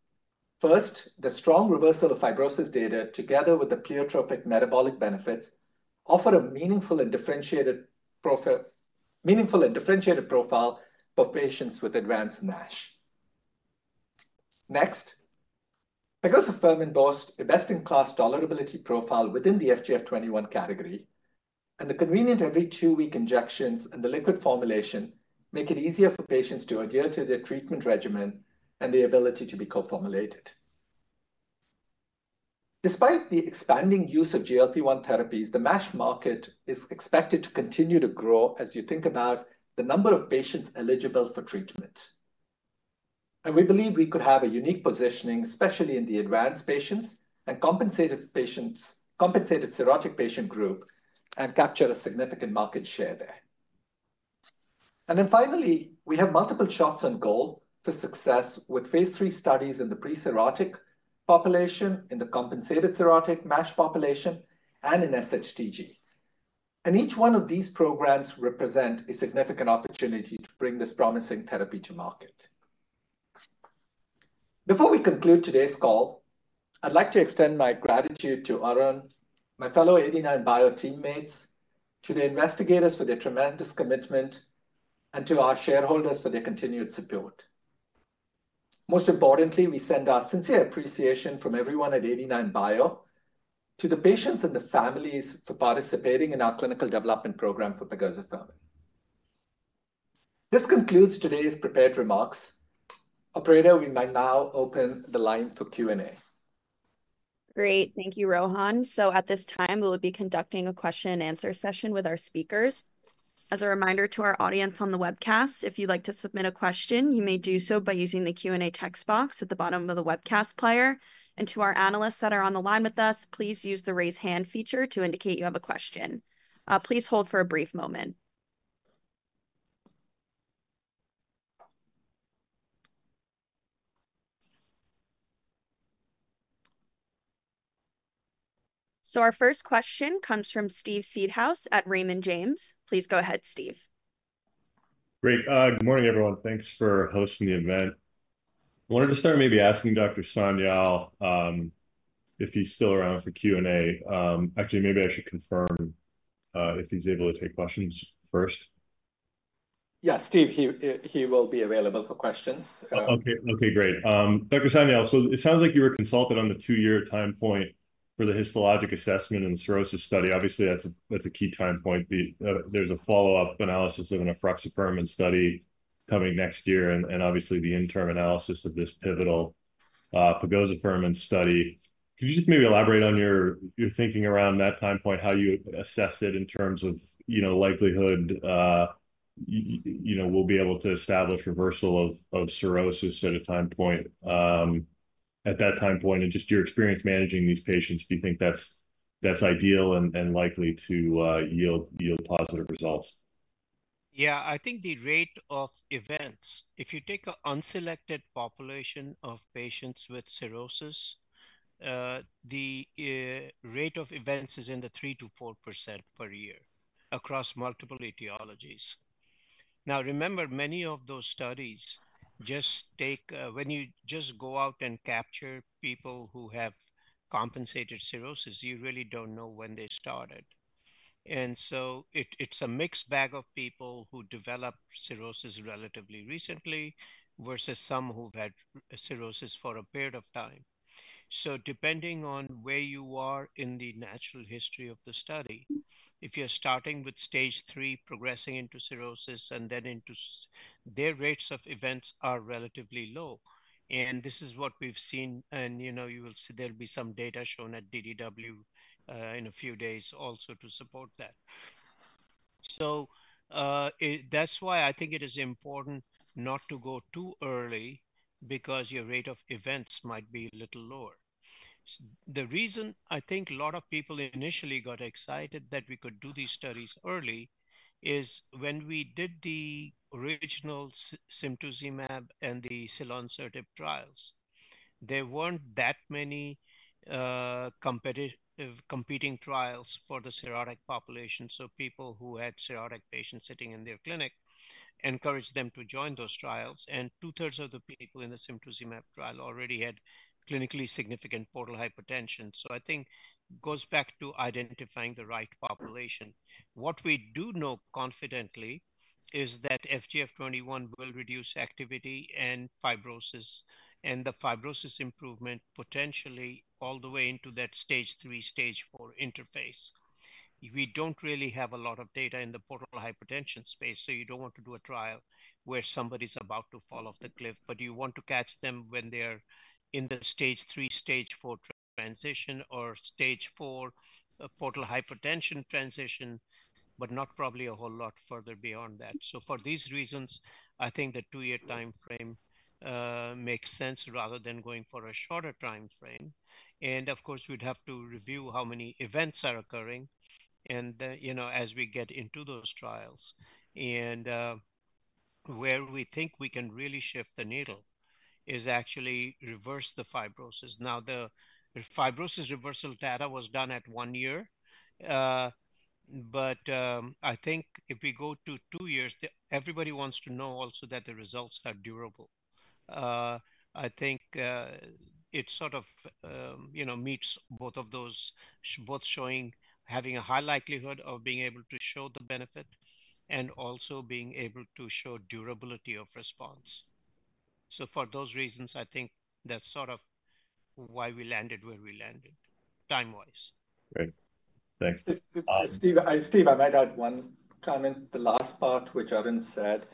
First, the strong reversal of fibrosis data, together with the pleiotropic metabolic benefits, offer a meaningful and differentiated profile, meaningful and differentiated profile for patients with advanced NASH. Next, pegozafermin boasts a best-in-class tolerability profile within the FGF 21 category, and the convenient every two-week injections and the liquid formulation make it easier for patients to adhere to their treatment regimen and the ability to be co-formulated. Despite the expanding use of GLP-1 therapies, the MASH market is expected to continue to grow as you think about the number of patients eligible for treatment. And we believe we could have a unique positioning, especially in the advanced patients and compensated patients, compensated cirrhotic patient group, and capture a significant market share there. Then finally, we have multiple shots on goal for success with phase 3 studies in the pre-cirrhotic population, in the compensated cirrhotic MASH population, and in SHTG. Each one of these programs represent a significant opportunity to bring this promising therapy to market. Before we conclude today's call, I'd like to extend my gratitude to Arun, my fellow 89bio teammates, to the investigators for their tremendous commitment, and to our shareholders for their continued support. Most importantly, we send our sincere appreciation from everyone at 89bio to the patients and the families for participating in our clinical development program for pegozafermin. This concludes today's prepared remarks. Operator, we may now open the line for Q&A. Great, thank you, Rohan. So at this time, we will be conducting a question and answer session with our speakers. As a reminder to our audience on the webcast, if you'd like to submit a question, you may do so by using the Q&A text box at the bottom of the webcast player. And to our analysts that are on the line with us, please use the Raise Hand feature to indicate you have a question. Please hold for a brief moment. So our first question comes from Steve Seedhouse at Raymond James. Please go ahead, Steve. Great. Good morning, everyone. Thanks for hosting the event. I wanted to start maybe asking Dr. Sanyal if he's still around for Q&A. Actually, maybe I should confirm if he's able to take questions first. Yeah, Steve, he will be available for questions. Okay. Okay, great. Dr. Sanyal, so it sounds like you were consulted on the two-year time point for the histologic assessment in the cirrhosis study. Obviously, that's a key time point. There's a follow-up analysis of an efruxifermin study coming next year, and obviously, the interim analysis of this pivotal pegozafermin study. Can you just maybe elaborate on your thinking around that time point, how you assessed it in terms of, you know, likelihood, you know, we'll be able to establish reversal of cirrhosis at a time point, at that time point, and just your experience managing these patients? Do you think that's ideal and likely to yield positive results? Yeah, I think the rate of events, if you take an unselected population of patients with cirrhosis, the rate of events is in the 3%-4% per year across multiple etiologies. Now, remember, many of those studies just take... When you just go out and capture people who have compensated cirrhosis, you really don't know when they started. And so it's a mixed bag of people who developed cirrhosis relatively recently, versus some who've had cirrhosis for a period of time... So depending on where you are in the natural history of the study, if you're starting with stage three, progressing into cirrhosis and then into their rates of events are relatively low. And this is what we've seen, and, you know, you will see there'll be some data shown at DDW in a few days also to support that. So, that's why I think it is important not to go too early because your rate of events might be a little lower. The reason I think a lot of people initially got excited that we could do these studies early is when we did the original simtuzumab and the selonsertib trials, there weren't that many competitive, competing trials for the cirrhotic population. So people who had cirrhotic patients sitting in their clinic encouraged them to join those trials, and two-thirds of the people in the simtuzumab trial already had clinically significant portal hypertension. So I think goes back to identifying the right population. What we do know confidently is that FGF 21 will reduce activity and fibrosis, and the fibrosis improvement potentially all the way into that stage three, stage four interface. We don't really have a lot of data in the portal hypertension space, so you don't want to do a trial where somebody's about to fall off the cliff, but you want to catch them when they're in the stage three, stage four transition, or stage four portal hypertension transition, but not probably a whole lot further beyond that. So for these reasons, I think the two-year timeframe makes sense rather than going for a shorter timeframe. And of course, we'd have to review how many events are occurring and, you know, as we get into those trials. And where we think we can really shift the needle is actually reverse the fibrosis. Now, the fibrosis reversal data was done at one year, but I think if we go to two years, everybody wants to know also that the results are durable. I think, it sort of, you know, meets both of those, both showing, having a high likelihood of being able to show the benefit and also being able to show durability of response. So for those reasons, I think that's sort of why we landed where we landed, time-wise. Great. Thanks. Steve, I might add one comment. The last part, which Arun said,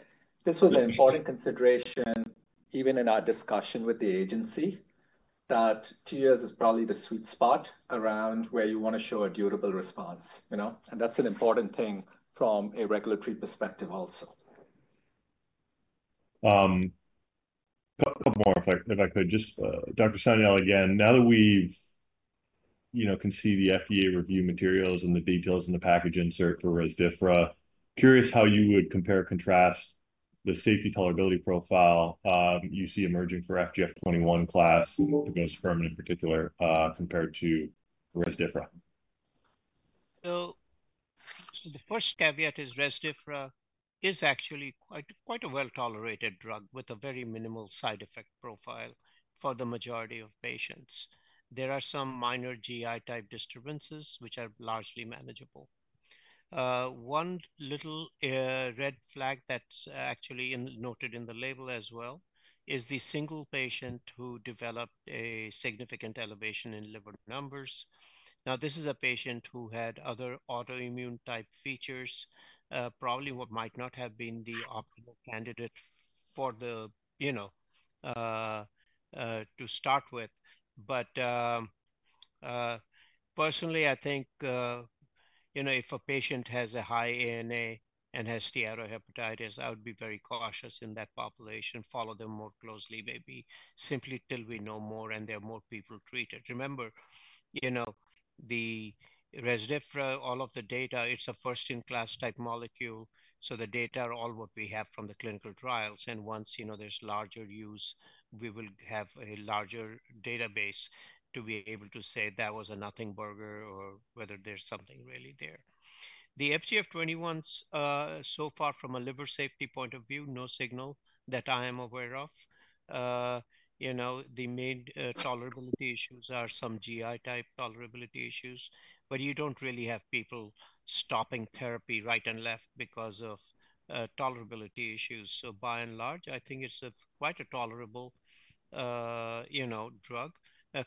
this was an important consideration even in our discussion with the agency, that two years is probably the sweet spot around where you want to show a durable response, you know? And that's an important thing from a regulatory perspective also. A couple more, if I could. Just, Dr. Sanyal again, now that we've, you know, can see the FDA review materials and the details in the package insert for Rezdiffra, curious how you would compare or contrast the safety tolerability profile you see emerging for FGF 21 class, efimosfermin in particular, compared to Rezdiffra. So the first caveat is Rezdiffra is actually quite, quite a well-tolerated drug with a very minimal side effect profile for the majority of patients. There are some minor GI-type disturbances, which are largely manageable. One little red flag that's actually in, noted in the label as well, is the single patient who developed a significant elevation in liver numbers. Now, this is a patient who had other autoimmune-type features, probably what might not have been the optimal candidate for the, you know, to start with. But, personally, I think, you know, if a patient has a high ANA and has steatohepatitis, I would be very cautious in that population, follow them more closely, maybe simply till we know more and there are more people treated. Remember, you know, the Rezdiffra, all of the data, it's a first-in-class type molecule, so the data are all what we have from the clinical trials. And once, you know, there's larger use, we will have a larger database to be able to say that was a nothing burger or whether there's something really there. The FGF 21's, so far from a liver safety point of view, no signal that I am aware of. You know, the main tolerability issues are some GI-type tolerability issues, but you don't really have people stopping therapy right and left because of tolerability issues. So by and large, I think it's a quite a tolerable, you know, drug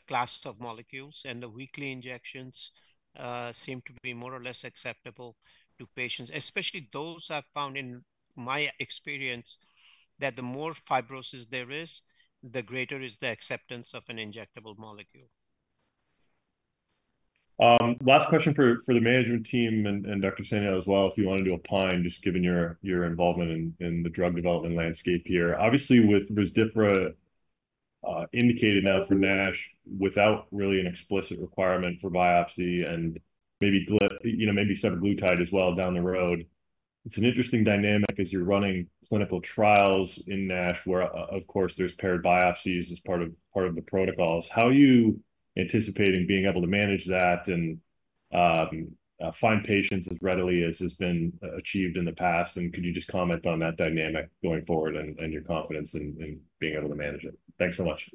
class of molecules, and the weekly injections seem to be more or less acceptable to patients. Especially those I've found in my experience, that the more fibrosis there is, the greater is the acceptance of an injectable molecule. Last question for the management team and Dr. Sanyal as well, if you want to opine, just given your involvement in the drug development landscape here. Obviously, with Rezdiffra, indicated now for NASH, without really an explicit requirement for biopsy and maybe you know, maybe semaglutide as well down the road, it's an interesting dynamic as you're running clinical trials in NASH, where, of course, there's paired biopsies as part of the protocols. How are you anticipating being able to manage that and find patients as readily as has been achieved in the past? And could you just comment on that dynamic going forward and your confidence in being able to manage it? Thanks so much.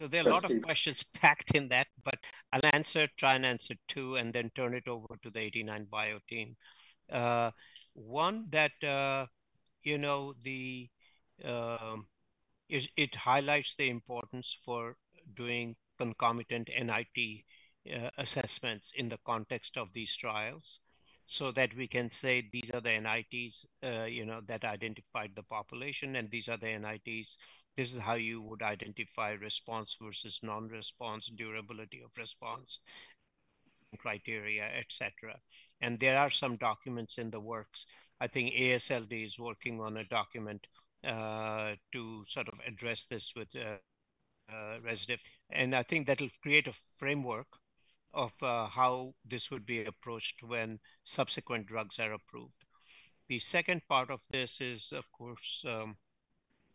So there are a lot of questions packed in that, but I'll answer, try and answer two, and then turn it over to the 89bio team. One, that highlights the importance for doing concomitant NIT assessments in the context of these trials. So that we can say these are the NITs, you know, that identified the population, and these are the NITs. This is how you would identify response versus non-response, durability of response, criteria, et cetera. And there are some documents in the works. I think AASLD is working on a document to sort of address this with Rezdiffra. And I think that'll create a framework of how this would be approached when subsequent drugs are approved. The second part of this is, of course,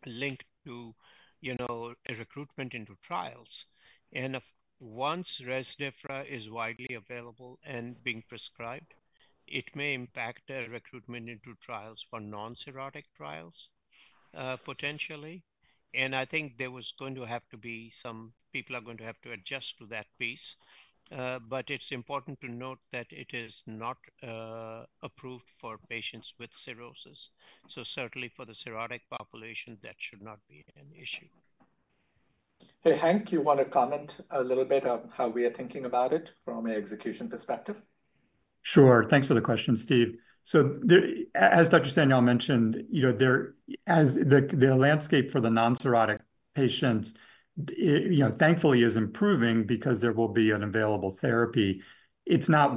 linked to, you know, a recruitment into trials. If once Rezdiffra is widely available and being prescribed, it may impact the recruitment into trials for non-cirrhotic trials, potentially, and I think there was going to have to be some people are going to have to adjust to that piece. But it's important to note that it is not approved for patients with cirrhosis. So certainly for the cirrhotic population, that should not be an issue. Hey, Hank, you want to comment a little bit on how we are thinking about it from an execution perspective? Sure. Thanks for the question, Steve. So as Dr. Sanyal mentioned, you know, as the landscape for the non-cirrhotic patients, you know, thankfully, is improving because there will be an available therapy. It's not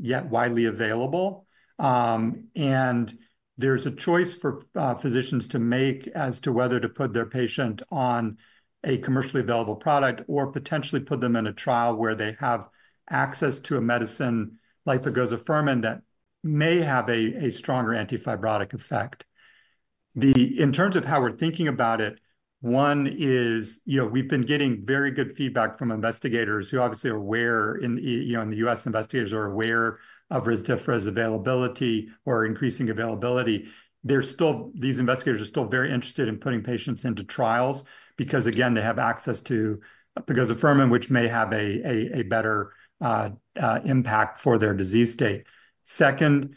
yet widely available, and there's a choice for physicians to make as to whether to put their patient on a commercially available product or potentially put them in a trial where they have access to a medicine like pegozafermin that may have a stronger anti-fibrotic effect. In terms of how we're thinking about it, one is, you know, we've been getting very good feedback from investigators who obviously are aware, you know, in the US, investigators are aware of Rezdiffra availability or increasing availability. These investigators are still very interested in putting patients into trials because, again, they have access to pegozafermin, which may have a better impact for their disease state. Second,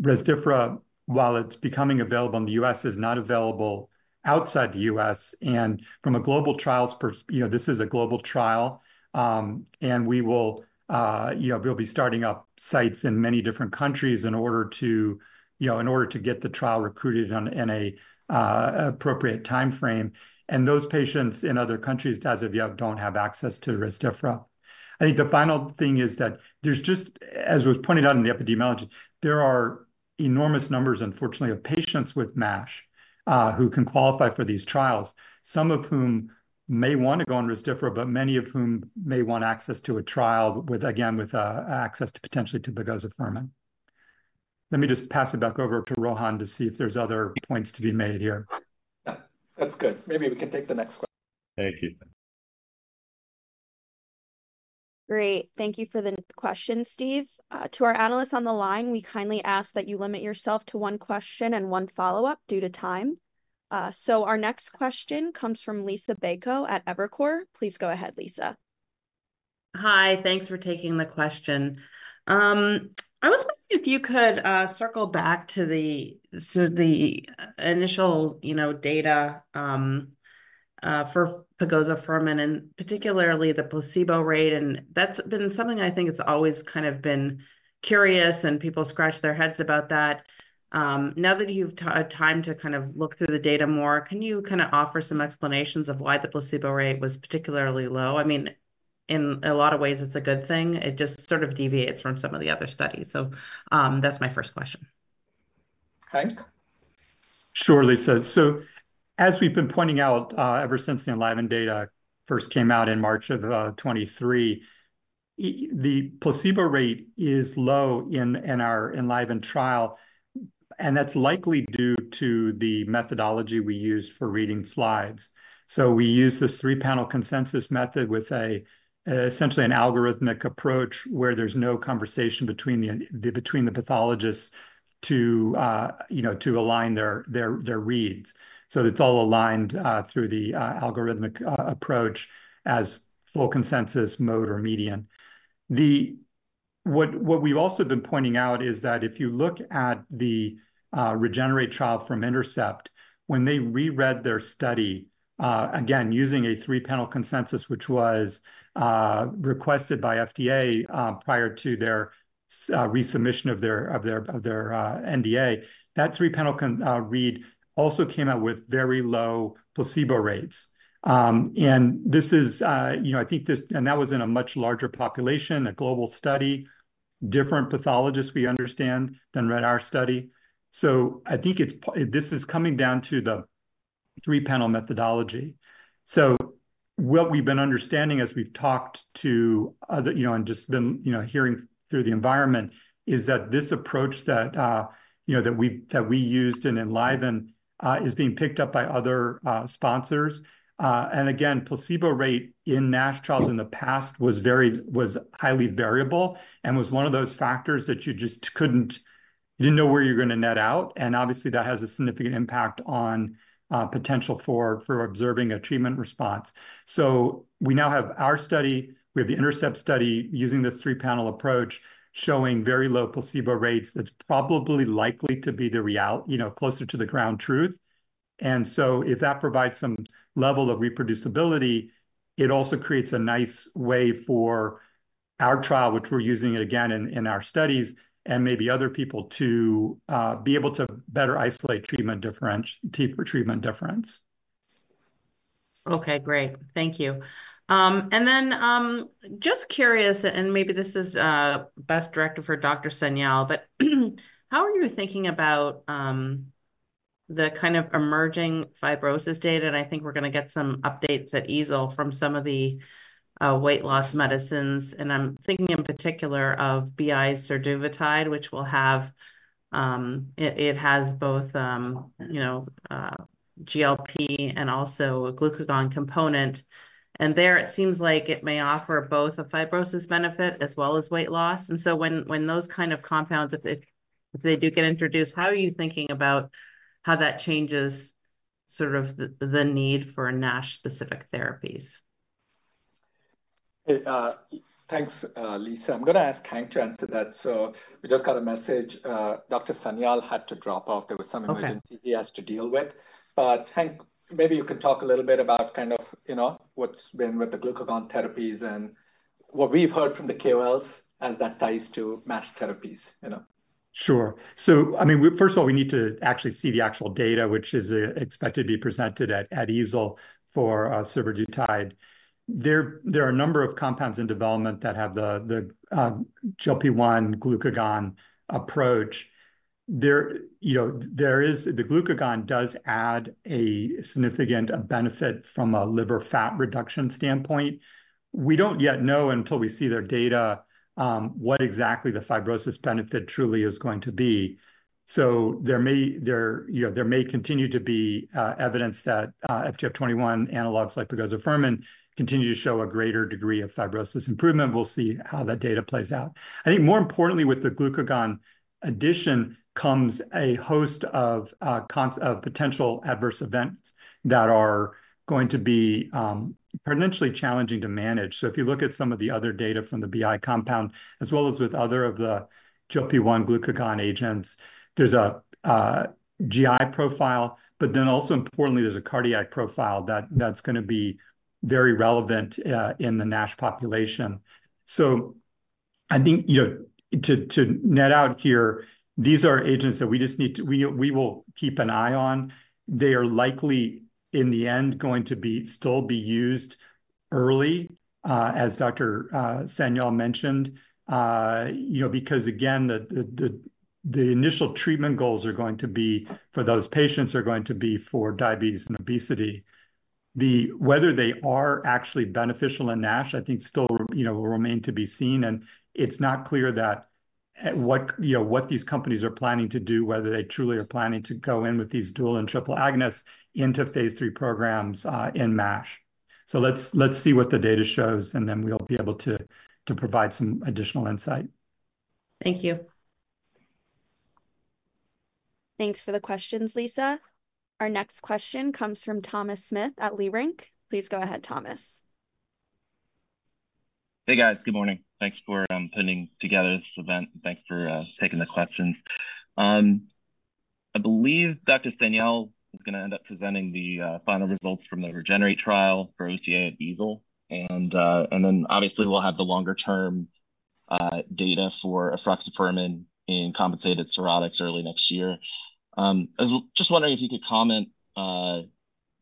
Rezdiffra, while it's becoming available in the U.S., is not available outside the U.S. And from a global trials perspective, you know, this is a global trial, and we will, you know, we'll be starting up sites in many different countries in order to, you know, in order to get the trial recruited on in an appropriate timeframe. And those patients in other countries, as of yet, don't have access to Rezdiffra. I think the final thing is that there's just, as was pointed out in the epidemiology, there are enormous numbers, unfortunately, of patients with MASH, who can qualify for these trials, some of whom may want to go on Rezdiff, but many of whom may want access to a trial with, again, with, access to potentially to pegozafermin. Let me just pass it back over to Rohan to see if there's other points to be made here. Yeah, that's good. Maybe we can take the next question. Thank you. Great. Thank you for the question, Steve. To our analysts on the line, we kindly ask that you limit yourself to one question and one follow-up due to time. So our next question comes from Lisa Bayko at Evercore. Please go ahead, Lisa. Hi, thanks for taking the question. I was wondering if you could circle back to the initial, you know, data for pegozafermin and particularly the placebo rate. And that's been something I think it's always kind of been curious, and people scratch their heads about that. Now that you've taken time to kind of look through the data more, can you kind of offer some explanations of why the placebo rate was particularly low? I mean, in a lot of ways, it's a good thing. It just sort of deviates from some of the other studies. So, that's my first question. Hank? Sure, Lisa. So as we've been pointing out, ever since the ENLIVEN data first came out in March of 2023, the placebo rate is low in our ENLIVEN trial, and that's likely due to the methodology we use for reading slides. So we use this three-panel consensus method with essentially an algorithmic approach, where there's no conversation between the pathologists to, you know, to align their reads. So it's all aligned through the algorithmic approach as full consensus mode or median. What we've also been pointing out is that if you look at the REGENERATE trial from Intercept, when they reread their study again, using a three-panel consensus, which was requested by FDA prior to their resubmission of their NDA, that three-panel consensus read also came out with very low placebo rates. And this is, you know, I think this and that was in a much larger population, a global study, different pathologists, we understand, than read our study. So I think this is coming down to the three-panel methodology. So what we've been understanding as we've talked to other, you know, and just been, you know, hearing through the environment, is that this approach that, you know, that we used in ENLIVEN, is being picked up by other, sponsors. And again, placebo rate in MASH trials in the past was highly variable and was one of those factors that you just couldn't, you didn't know where you're gonna net out, and obviously, that has a significant impact on, potential for observing a treatment response. So we now have our study, we have the Intercept study, using this three-panel approach, showing very low placebo rates. That's probably likely to be the real, you know, closer to the ground truth. So if that provides some level of reproducibility, it also creates a nice way for our trial, which we're using it again in our studies, and maybe other people to be able to better isolate treatment difference. Okay, great. Thank you. And then, just curious, and maybe this is best directed for Dr. Sanyal, but how are you thinking about the kind of emerging fibrosis data? And I think we're going to get some updates at EASL from some of the weight loss medicines, and I'm thinking in particular of survodutide, which will have, it has both, you know, GLP and also a glucagon component. And there, it seems like it may offer both a fibrosis benefit as well as weight loss. And so when those kind of compounds, if they do get introduced, how are you thinking about how that changes sort of the need for NASH-specific therapies? Thanks, Lisa. I'm going to ask Hank to answer that. So we just got a message. Dr. Sanyal had to drop off. There was some- Okay. Emergency he has to deal with. But, Hank, maybe you can talk a little bit about kind of, you know, what's been with the glucagon therapies and what we've heard from the KOLs as that ties to MASH therapies, you know? Sure. So I mean, we first of all, we need to actually see the actual data, which is expected to be presented at EASL for survodutide. There are a number of compounds in development that have the GLP-1 glucagon approach. There, you know, there is the glucagon does add a significant benefit from a liver fat reduction standpoint. We don't yet know until we see their data, what exactly the fibrosis benefit truly is going to be. So there may, there, you know, there may continue to be evidence that FGF21 analogs like pegozafermin continue to show a greater degree of fibrosis improvement. We'll see how that data plays out. I think more importantly, with the glucagon addition comes a host of cons, potential adverse events that are going to be potentially challenging to manage. So if you look at some of the other data from the BI compound, as well as with other of the GLP-1 glucagon agents, there's a GI profile, but then also importantly, there's a cardiac profile that's going to be very relevant in the NASH population. So I think, you know, to net out here, these are agents that we just need to we will keep an eye on. They are likely, in the end, going to be still used early, as Dr. Sanyal mentioned. You know, because again, the initial treatment goals are going to be—for those patients—for diabetes and obesity. Whether they are actually beneficial in NASH, I think still, you know, will remain to be seen, and it's not clear that, what, you know, what these companies are planning to do, whether they truly are planning to go in with these dual and triple agonists into phase III programs, in MASH. So let's see what the data shows, and then we'll be able to provide some additional insight. Thank you. Thanks for the questions, Lisa. Our next question comes from Thomas Smith at Leerink. Please go ahead, Thomas. Hey, guys. Good morning. Thanks for putting together this event. Thanks for taking the questions. I believe Dr. Sanyal is going to end up presenting the final results from the REGENERATE trial for OCA at EASL, and then obviously, we'll have the longer-term data for efruxifermin in compensated cirrhotics early next year. I was just wondering if you could comment and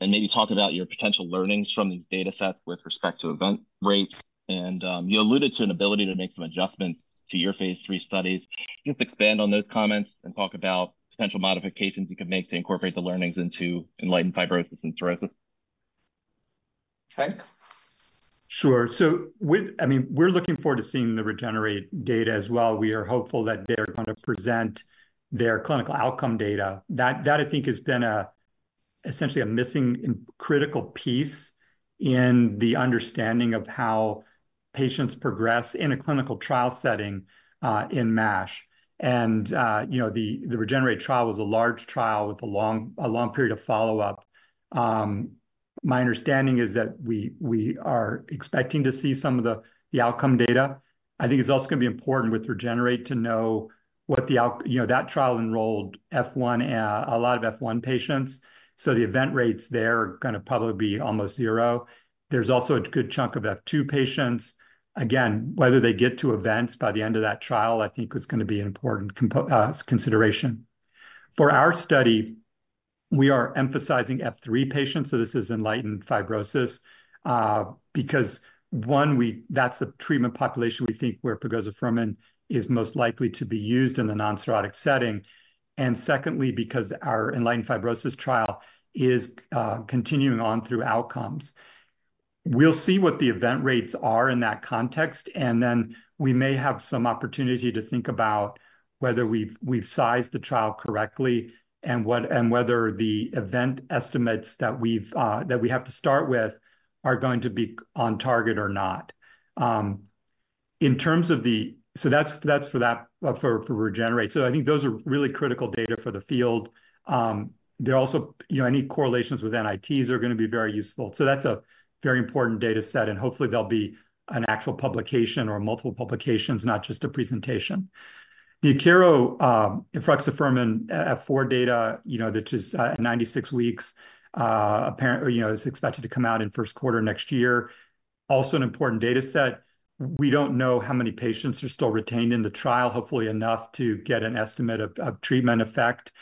maybe talk about your potential learnings from these data sets with respect to event rates. You alluded to an ability to make some adjustments to your phase III studies. Can you just expand on those comments and talk about potential modifications you could make to incorporate the learnings into ENLIGHTEN-Fibrosis and ENLIGHTEN-Cirrhosis? Hank? Sure. So, I mean, we're looking forward to seeing the REGENERATE data as well. We are hopeful that they're going to present their clinical outcome data. That I think has been essentially a missing and critical piece in the understanding of how patients progress in a clinical trial setting in MASH. And, you know, the REGENERATE trial was a large trial with a long period of follow-up. My understanding is that we are expecting to see some of the outcome data. I think it's also going to be important with REGENERATE to know what you know, that trial enrolled F1, a lot of F1 patients, so the event rates there are going to probably be almost zero. There's also a good chunk of F2 patients. Again, whether they get to events by the end of that trial, I think is going to be an important comparison consideration. For our study, we are emphasizing F3 patients, so this is ENLIGHTEN-Fibrosis, because one, that's the treatment population we think where pegozafermin is most likely to be used in the non-cirrhotic setting. And secondly, because our ENLIGHTEN-Fibrosis trial is continuing on through outcomes. We'll see what the event rates are in that context, and then we may have some opportunity to think about whether we've sized the trial correctly and whether the event estimates that we have to start with are going to be on target or not. In terms of the so that's for REGENERATE. So I think those are really critical data for the field. They're also, you know, any correlations with NITs are going to be very useful. So that's a very important data set, and hopefully, there'll be an actual publication or multiple publications, not just a presentation. The Akero, efruxifermin, F4 data, you know, which is, at 96 weeks, apparently, you know, is expected to come out in first quarter next year. Also an important data set. We don't know how many patients are still retained in the trial. Hopefully, enough to get an estimate of treatment effect.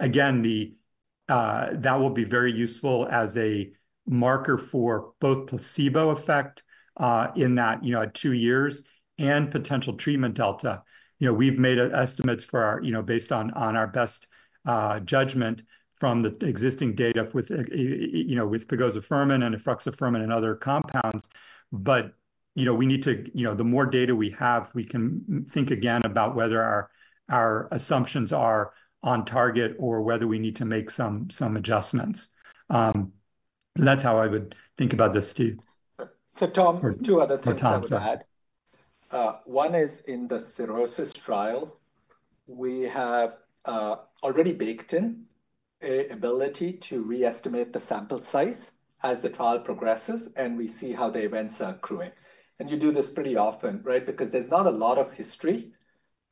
Again, the, that will be very useful as a marker for both placebo effect, in that, you know, at two years, and potential treatment delta. You know, we've made estimates for our, you know, based on, on our best judgment from the existing data with, you know, with pegozafermin and efruxifermin and other compounds. But, you know, we need to. You know, the more data we have, we can think again about whether our, our assumptions are on target or whether we need to make some, some adjustments. That's how I would think about this, Steve. So Tom- Or Tom, sorry. Two other things I would add. One is in the cirrhosis trial, we have already baked in an ability to re-estimate the sample size as the trial progresses, and we see how the events are accruing. You do this pretty often, right? Because there's not a lot of history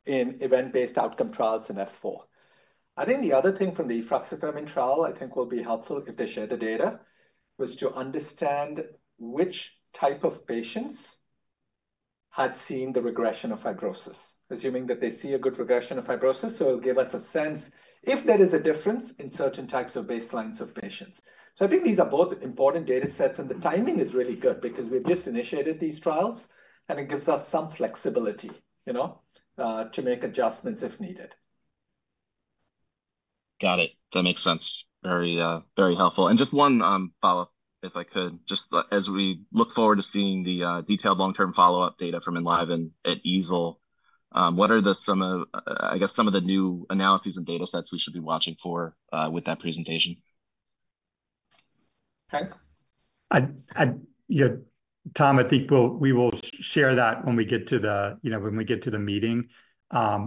in event-based outcome trials in F4. I think the other thing from the efruxifermin trial, I think will be helpful if they share the data, was to understand which type of patients had seen the regression of fibrosis. Assuming that they see a good regression of fibrosis, so it'll give us a sense if there is a difference in certain types of baselines of patients. So I think these are both important data sets, and the timing is really good because we've just initiated these trials, and it gives us some flexibility, you know, to make adjustments if needed. Got it. That makes sense. Very, very helpful. And just one follow-up, if I could, just as we look forward to seeing the detailed long-term follow-up data from ENLIVEN at EASL, what are, I guess, some of the new analyses and data sets we should be watching for with that presentation? Hank? Yeah, Tom, I think we will share that when we get to the, you know, when we get to the meeting.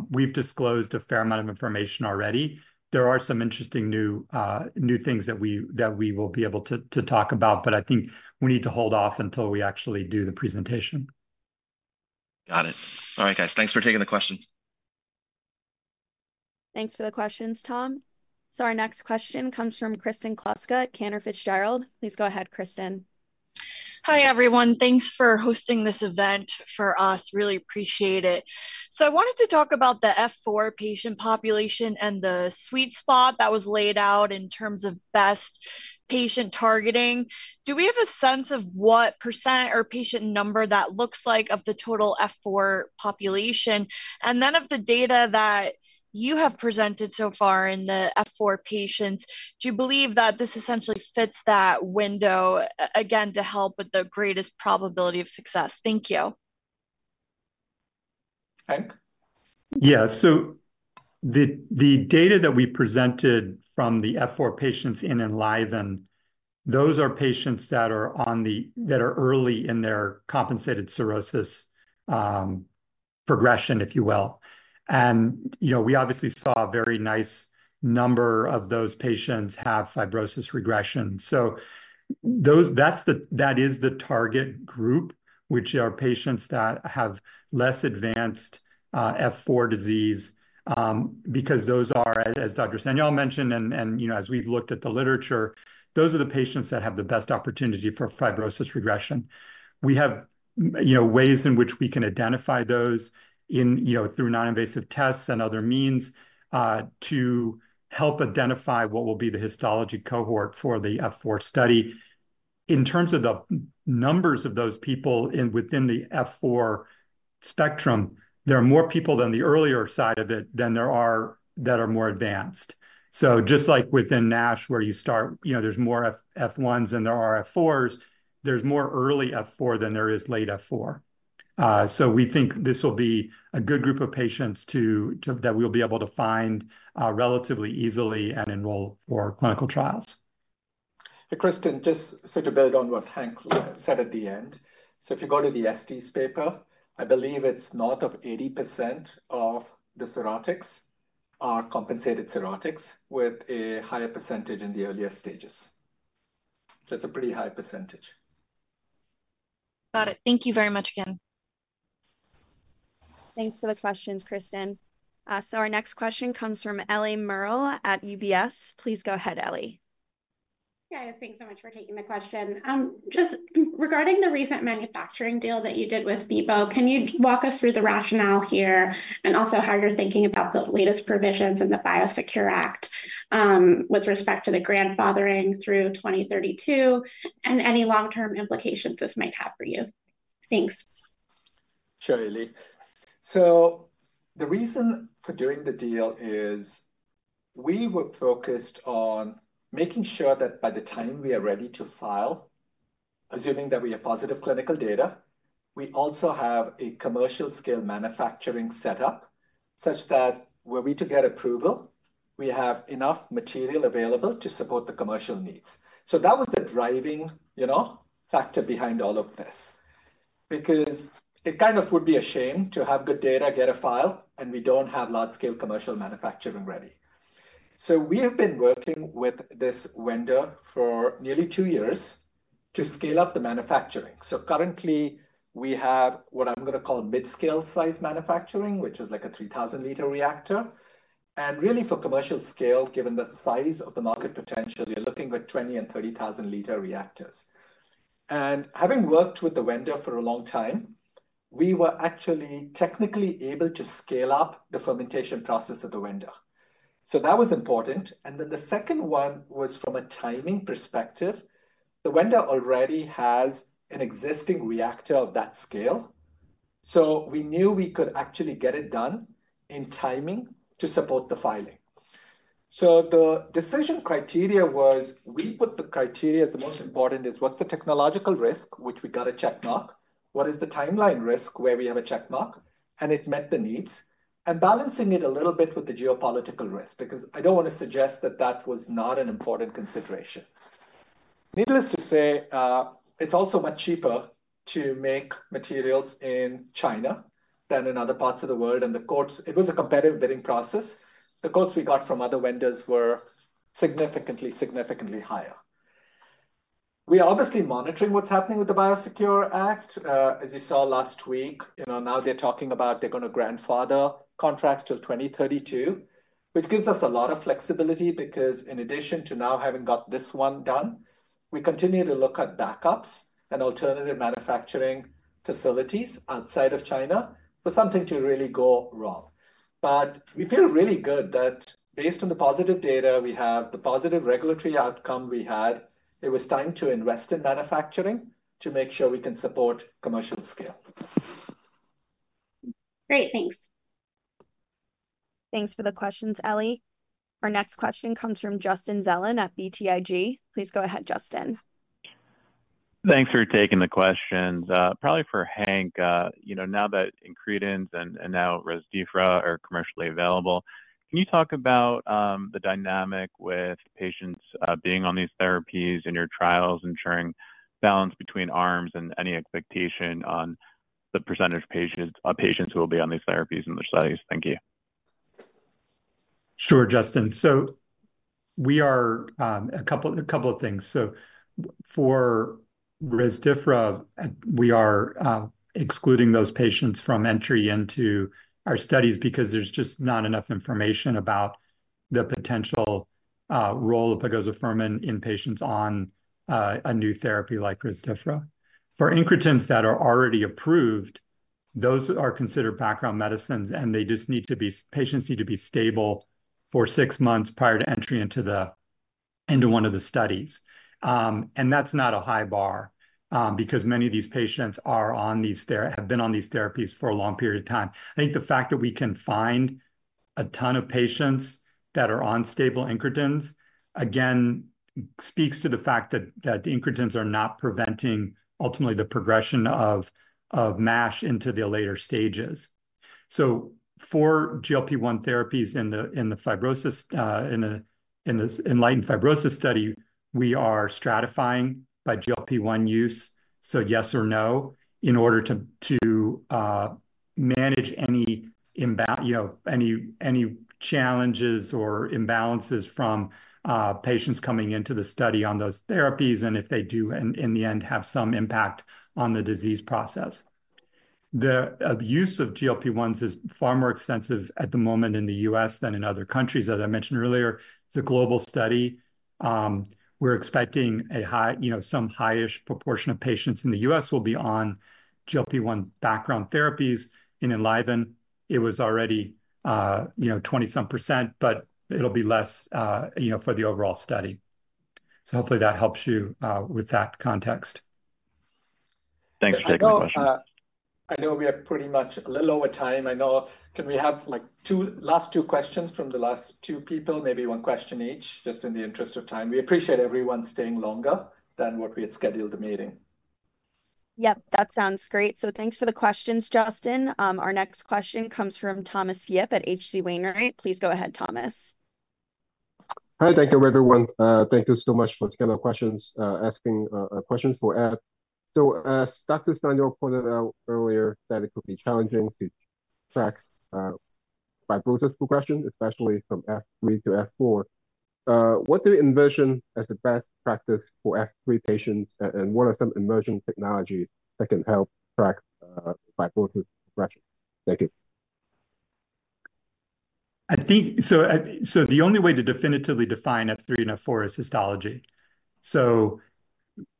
We've disclosed a fair amount of information already. There are some interesting new things that we will be able to talk about, but I think we need to hold off until we actually do the presentation. Got it. All right, guys. Thanks for taking the questions. Thanks for the questions, Tom. So our next question comes from Kristen Kluska at Cantor Fitzgerald. Please go ahead, Kristen. Hi, everyone. Thanks for hosting this event for us. Really appreciate it. So I wanted to talk about the F4 patient population and the sweet spot that was laid out in terms of best patient targeting. Do we have a sense of what % or patient number that looks like of the total F4 population? And then of the data that you have presented so far in the F4 patients, do you believe that this essentially fits that window, again, to help with the greatest probability of success? Thank you. Hank? Yeah. So the data that we presented from the F4 patients in ENLIVEN, those are patients that are early in their compensated cirrhosis progression, if you will. And, you know, we obviously saw a very nice number of those patients have fibrosis regression. So that's the target group, which are patients that have less advanced F4 disease, because those are, as Dr. Sanyal mentioned, and, you know, as we've looked at the literature, those are the patients that have the best opportunity for fibrosis regression. We have, you know, ways in which we can identify those, you know, through non-invasive tests and other means to help identify what will be the histology cohort for the F4 study. In terms of the numbers of those people within the F4 spectrum, there are more people than the earlier side of it than there are that are more advanced. So just like within NASH, where you start, you know, there's more F1s than there are F4s, there's more early F4 than there is late F4. So we think this will be a good group of patients to that we'll be able to find relatively easily and enroll for clinical trials. Hey, Kristen, just so to build on what Hank said at the end. So if you go to the Estes paper, I believe it's north of 80% of the cirrhotics are compensated cirrhotics with a higher percentage in the earlier stages. So it's a pretty high percentage. Got it. Thank you very much again. Thanks for the questions, Kristen. Our next question comes from Ellie Merle at UBS. Please go ahead, Ellie. Yeah, thanks so much for taking the question. Just regarding the recent manufacturing deal that you did with WuXi, can you walk us through the rationale here, and also how you're thinking about the latest provisions in the BIOSECURE Act, with respect to the grandfathering through 2032, and any long-term implications this might have for you? Thanks. Sure, Ellie. So the reason for doing the deal is we were focused on making sure that by the time we are ready to file, assuming that we have positive clinical data, we also have a commercial scale manufacturing setup, such that were we to get approval, we have enough material available to support the commercial needs. So that was the driving, you know, factor behind all of this. Because it kind of would be a shame to have good data, get a file, and we don't have large-scale commercial manufacturing ready. So we have been working with this vendor for nearly two years to scale up the manufacturing. So currently, we have what I'm going to call mid-scale size manufacturing, which is like a 3,000-liter reactor.... and really for commercial scale, given the size of the market potential, you're looking at 20,000-liter reactors and 30,000-liter reactors. Having worked with the vendor for a long time, we were actually technically able to scale up the fermentation process of the vendor. So that was important, and then the second one was from a timing perspective. The vendor already has an existing reactor of that scale, so we knew we could actually get it done in timing to support the filing. So the decision criteria was, we put the criteria as the most important is, what's the technological risk? Which we got a check mark. What is the timeline risk? Where we have a check mark, and it met the needs. And balancing it a little bit with the geopolitical risk, because I don't want to suggest that that was not an important consideration. Needless to say, it's also much cheaper to make materials in China than in other parts of the world, and the quotes. It was a competitive bidding process. The quotes we got from other vendors were significantly, significantly higher. We are obviously monitoring what's happening with the BioSecure Act. As you saw last week, you know, now they're talking about they're gonna grandfather contracts till 2032, which gives us a lot of flexibility, because in addition to now having got this one done, we continue to look at backups and alternative manufacturing facilities outside of China for something to really go wrong. But we feel really good that based on the positive data we have, the positive regulatory outcome we had, it was time to invest in manufacturing to make sure we can support commercial scale. Great, thanks. Thanks for the questions, Ellie. Our next question comes from Justin Zelin at BTIG. Please go ahead, Justin. Thanks for taking the questions. Probably for Hank, you know, now that incretins and, and now Rezdiffra are commercially available, can you talk about the dynamic with patients being on these therapies in your trials, ensuring balance between arms and any expectation on the percentage of patients who will be on these therapies in the studies? Thank you. Sure, Justin. So we are a couple of things. So for Rezdiffra, we are excluding those patients from entry into our studies because there's just not enough information about the potential role of pegozafermin in patients on a new therapy like Rezdiffra. For incretins that are already approved, those are considered background medicines, and patients need to be stable for six months prior to entry into one of the studies. And that's not a high bar because many of these patients have been on these therapies for a long period of time. I think the fact that we can find a ton of patients that are on stable incretins again speaks to the fact that the incretins are not preventing ultimately the progression of MASH into the later stages. So for GLP-1 therapies in the, in the fibrosis, in the, in this ENLIVEN fibrosis study, we are stratifying by GLP-1 use, so yes or no, in order to, to, manage any imbalances you know, any challenges or imbalances from, patients coming into the study on those therapies, and if they do, in, in the end, have some impact on the disease process. The, use of GLP-1s is far more extensive at the moment in the U.S. than in other countries. As I mentioned earlier, it's a global study. We're expecting a high, you know, some high-ish proportion of patients in the U.S. will be on GLP-1 background therapies. In ENLIVEN, it was already, you know, 20-some%, but it'll be less, you know, for the overall study. So hopefully that helps you, with that context. Thanks for taking the question. I know we are pretty much a little over time. I know... Can we have, like, two last two questions from the last two people? Maybe one question each, just in the interest of time. We appreciate everyone staying longer than what we had scheduled the meeting. Yep, that sounds great. So thanks for the questions, Justin. Our next question comes from Thomas Yip at H.C. Wainwright. Please go ahead, Thomas. Hi. Thank you, everyone. Thank you so much for taking the questions, asking questions for Ed. So, as Dr. Sanyal pointed out earlier, that it could be challenging to track fibrosis progression, especially from F3 to F4. What do you envision as the best practice for F3 patients, and what are some emerging technology that can help track fibrosis progression? Thank you. I think... So the only way to definitively define F3 and F4 is histology. So,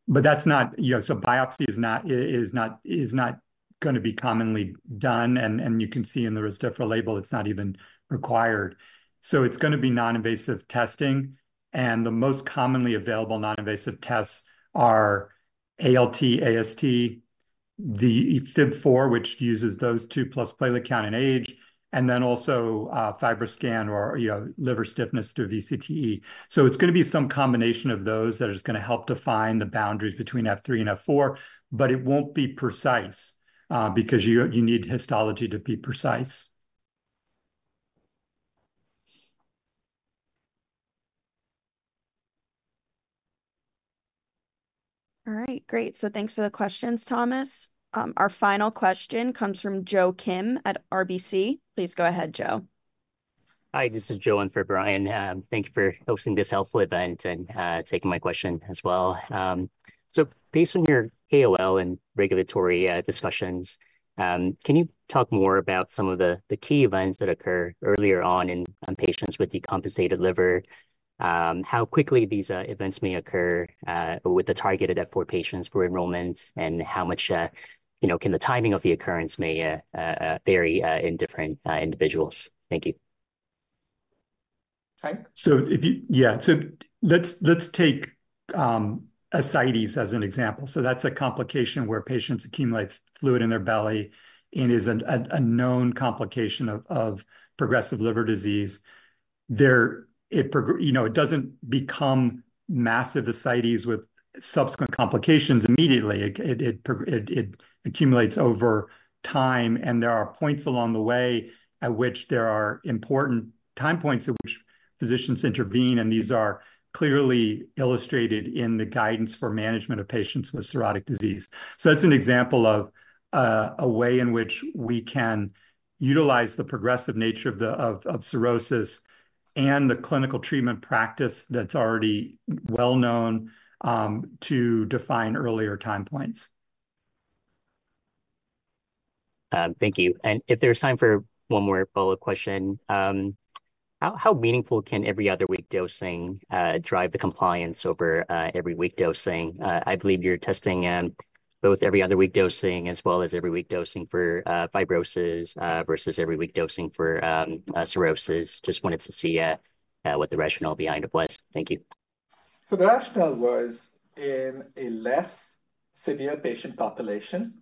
but that's not, you know, so biopsy is not, is not, is not gonna be commonly done, and, and you can see in the Rezdiffra label, it's not even required. So it's gonna be non-invasive testing, and the most commonly available non-invasive tests are ALT, AST, the FIB-4, which uses those two, plus platelet count and age, and then also, FibroScan, or, you know, liver stiffness through VCTE. So it's gonna be some combination of those that is gonna help define the boundaries between F3 and F4, but it won't be precise, because you need histology to be precise. All right, great. So thanks for the questions, Thomas. Our final question comes from Joe Kim at RBC. Please go ahead, Joe. Hi, this is Joe, and for Brian, thank you for hosting this helpful event and taking my question as well. So based on your AASLD and regulatory discussions, can you talk more about some of the key events that occur earlier on in patients with decompensated liver? How quickly these events may occur with the targeted F4 patients for enrollment and how much you know can the timing of the occurrence may vary in different individuals? Thank you. Frank? So if you Yeah, so let's take ascites as an example. So that's a complication where patients accumulate fluid in their belly and is a known complication of progressive liver disease. You know, it doesn't become massive ascites with subsequent complications immediately. It accumulates over time, and there are points along the way at which there are important time points at which physicians intervene, and these are clearly illustrated in the guidance for management of patients with cirrhotic disease. So that's an example of a way in which we can utilize the progressive nature of cirrhosis and the clinical treatment practice that's already well known to define earlier time points. Thank you. And if there's time for one more follow-up question. How meaningful can every other week dosing drive the compliance over every week dosing? I believe you're testing both every other week dosing, as well as every week dosing for fibrosis versus every week dosing for cirrhosis. Just wanted to see what the rationale behind it was. Thank you. So the rationale was in a less severe patient population,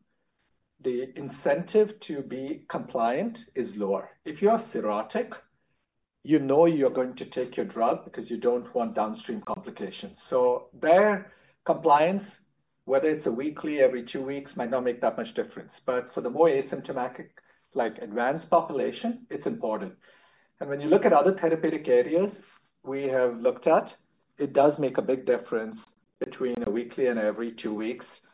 the incentive to be compliant is lower. If you are cirrhotic, you know you're going to take your drug because you don't want downstream complications. So there, compliance, whether it's a weekly, every two weeks, might not make that much difference. But for the more asymptomatic, like advanced population, it's important. And when you look at other therapeutic areas we have looked at, it does make a big difference between a weekly and every two weeks.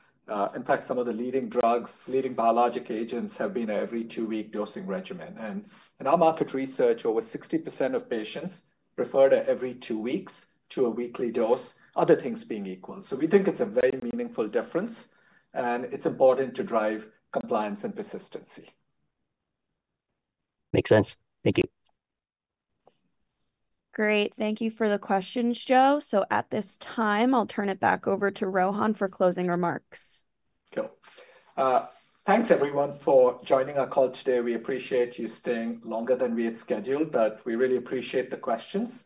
In fact, some of the leading drugs, leading biologic agents, have been a every two-week dosing regimen. And in our market research, over 60% of patients prefer the every two weeks to a weekly dose, other things being equal. So we think it's a very meaningful difference, and it's important to drive compliance and persistency. Makes sense. Thank you. Great. Thank you for the questions, Joe. At this time, I'll turn it back over to Rohan for closing remarks. Cool. Thanks, everyone, for joining our call today. We appreciate you staying longer than we had scheduled, but we really appreciate the questions.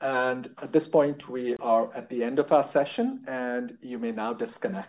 At this point, we are at the end of our session, and you may now disconnect.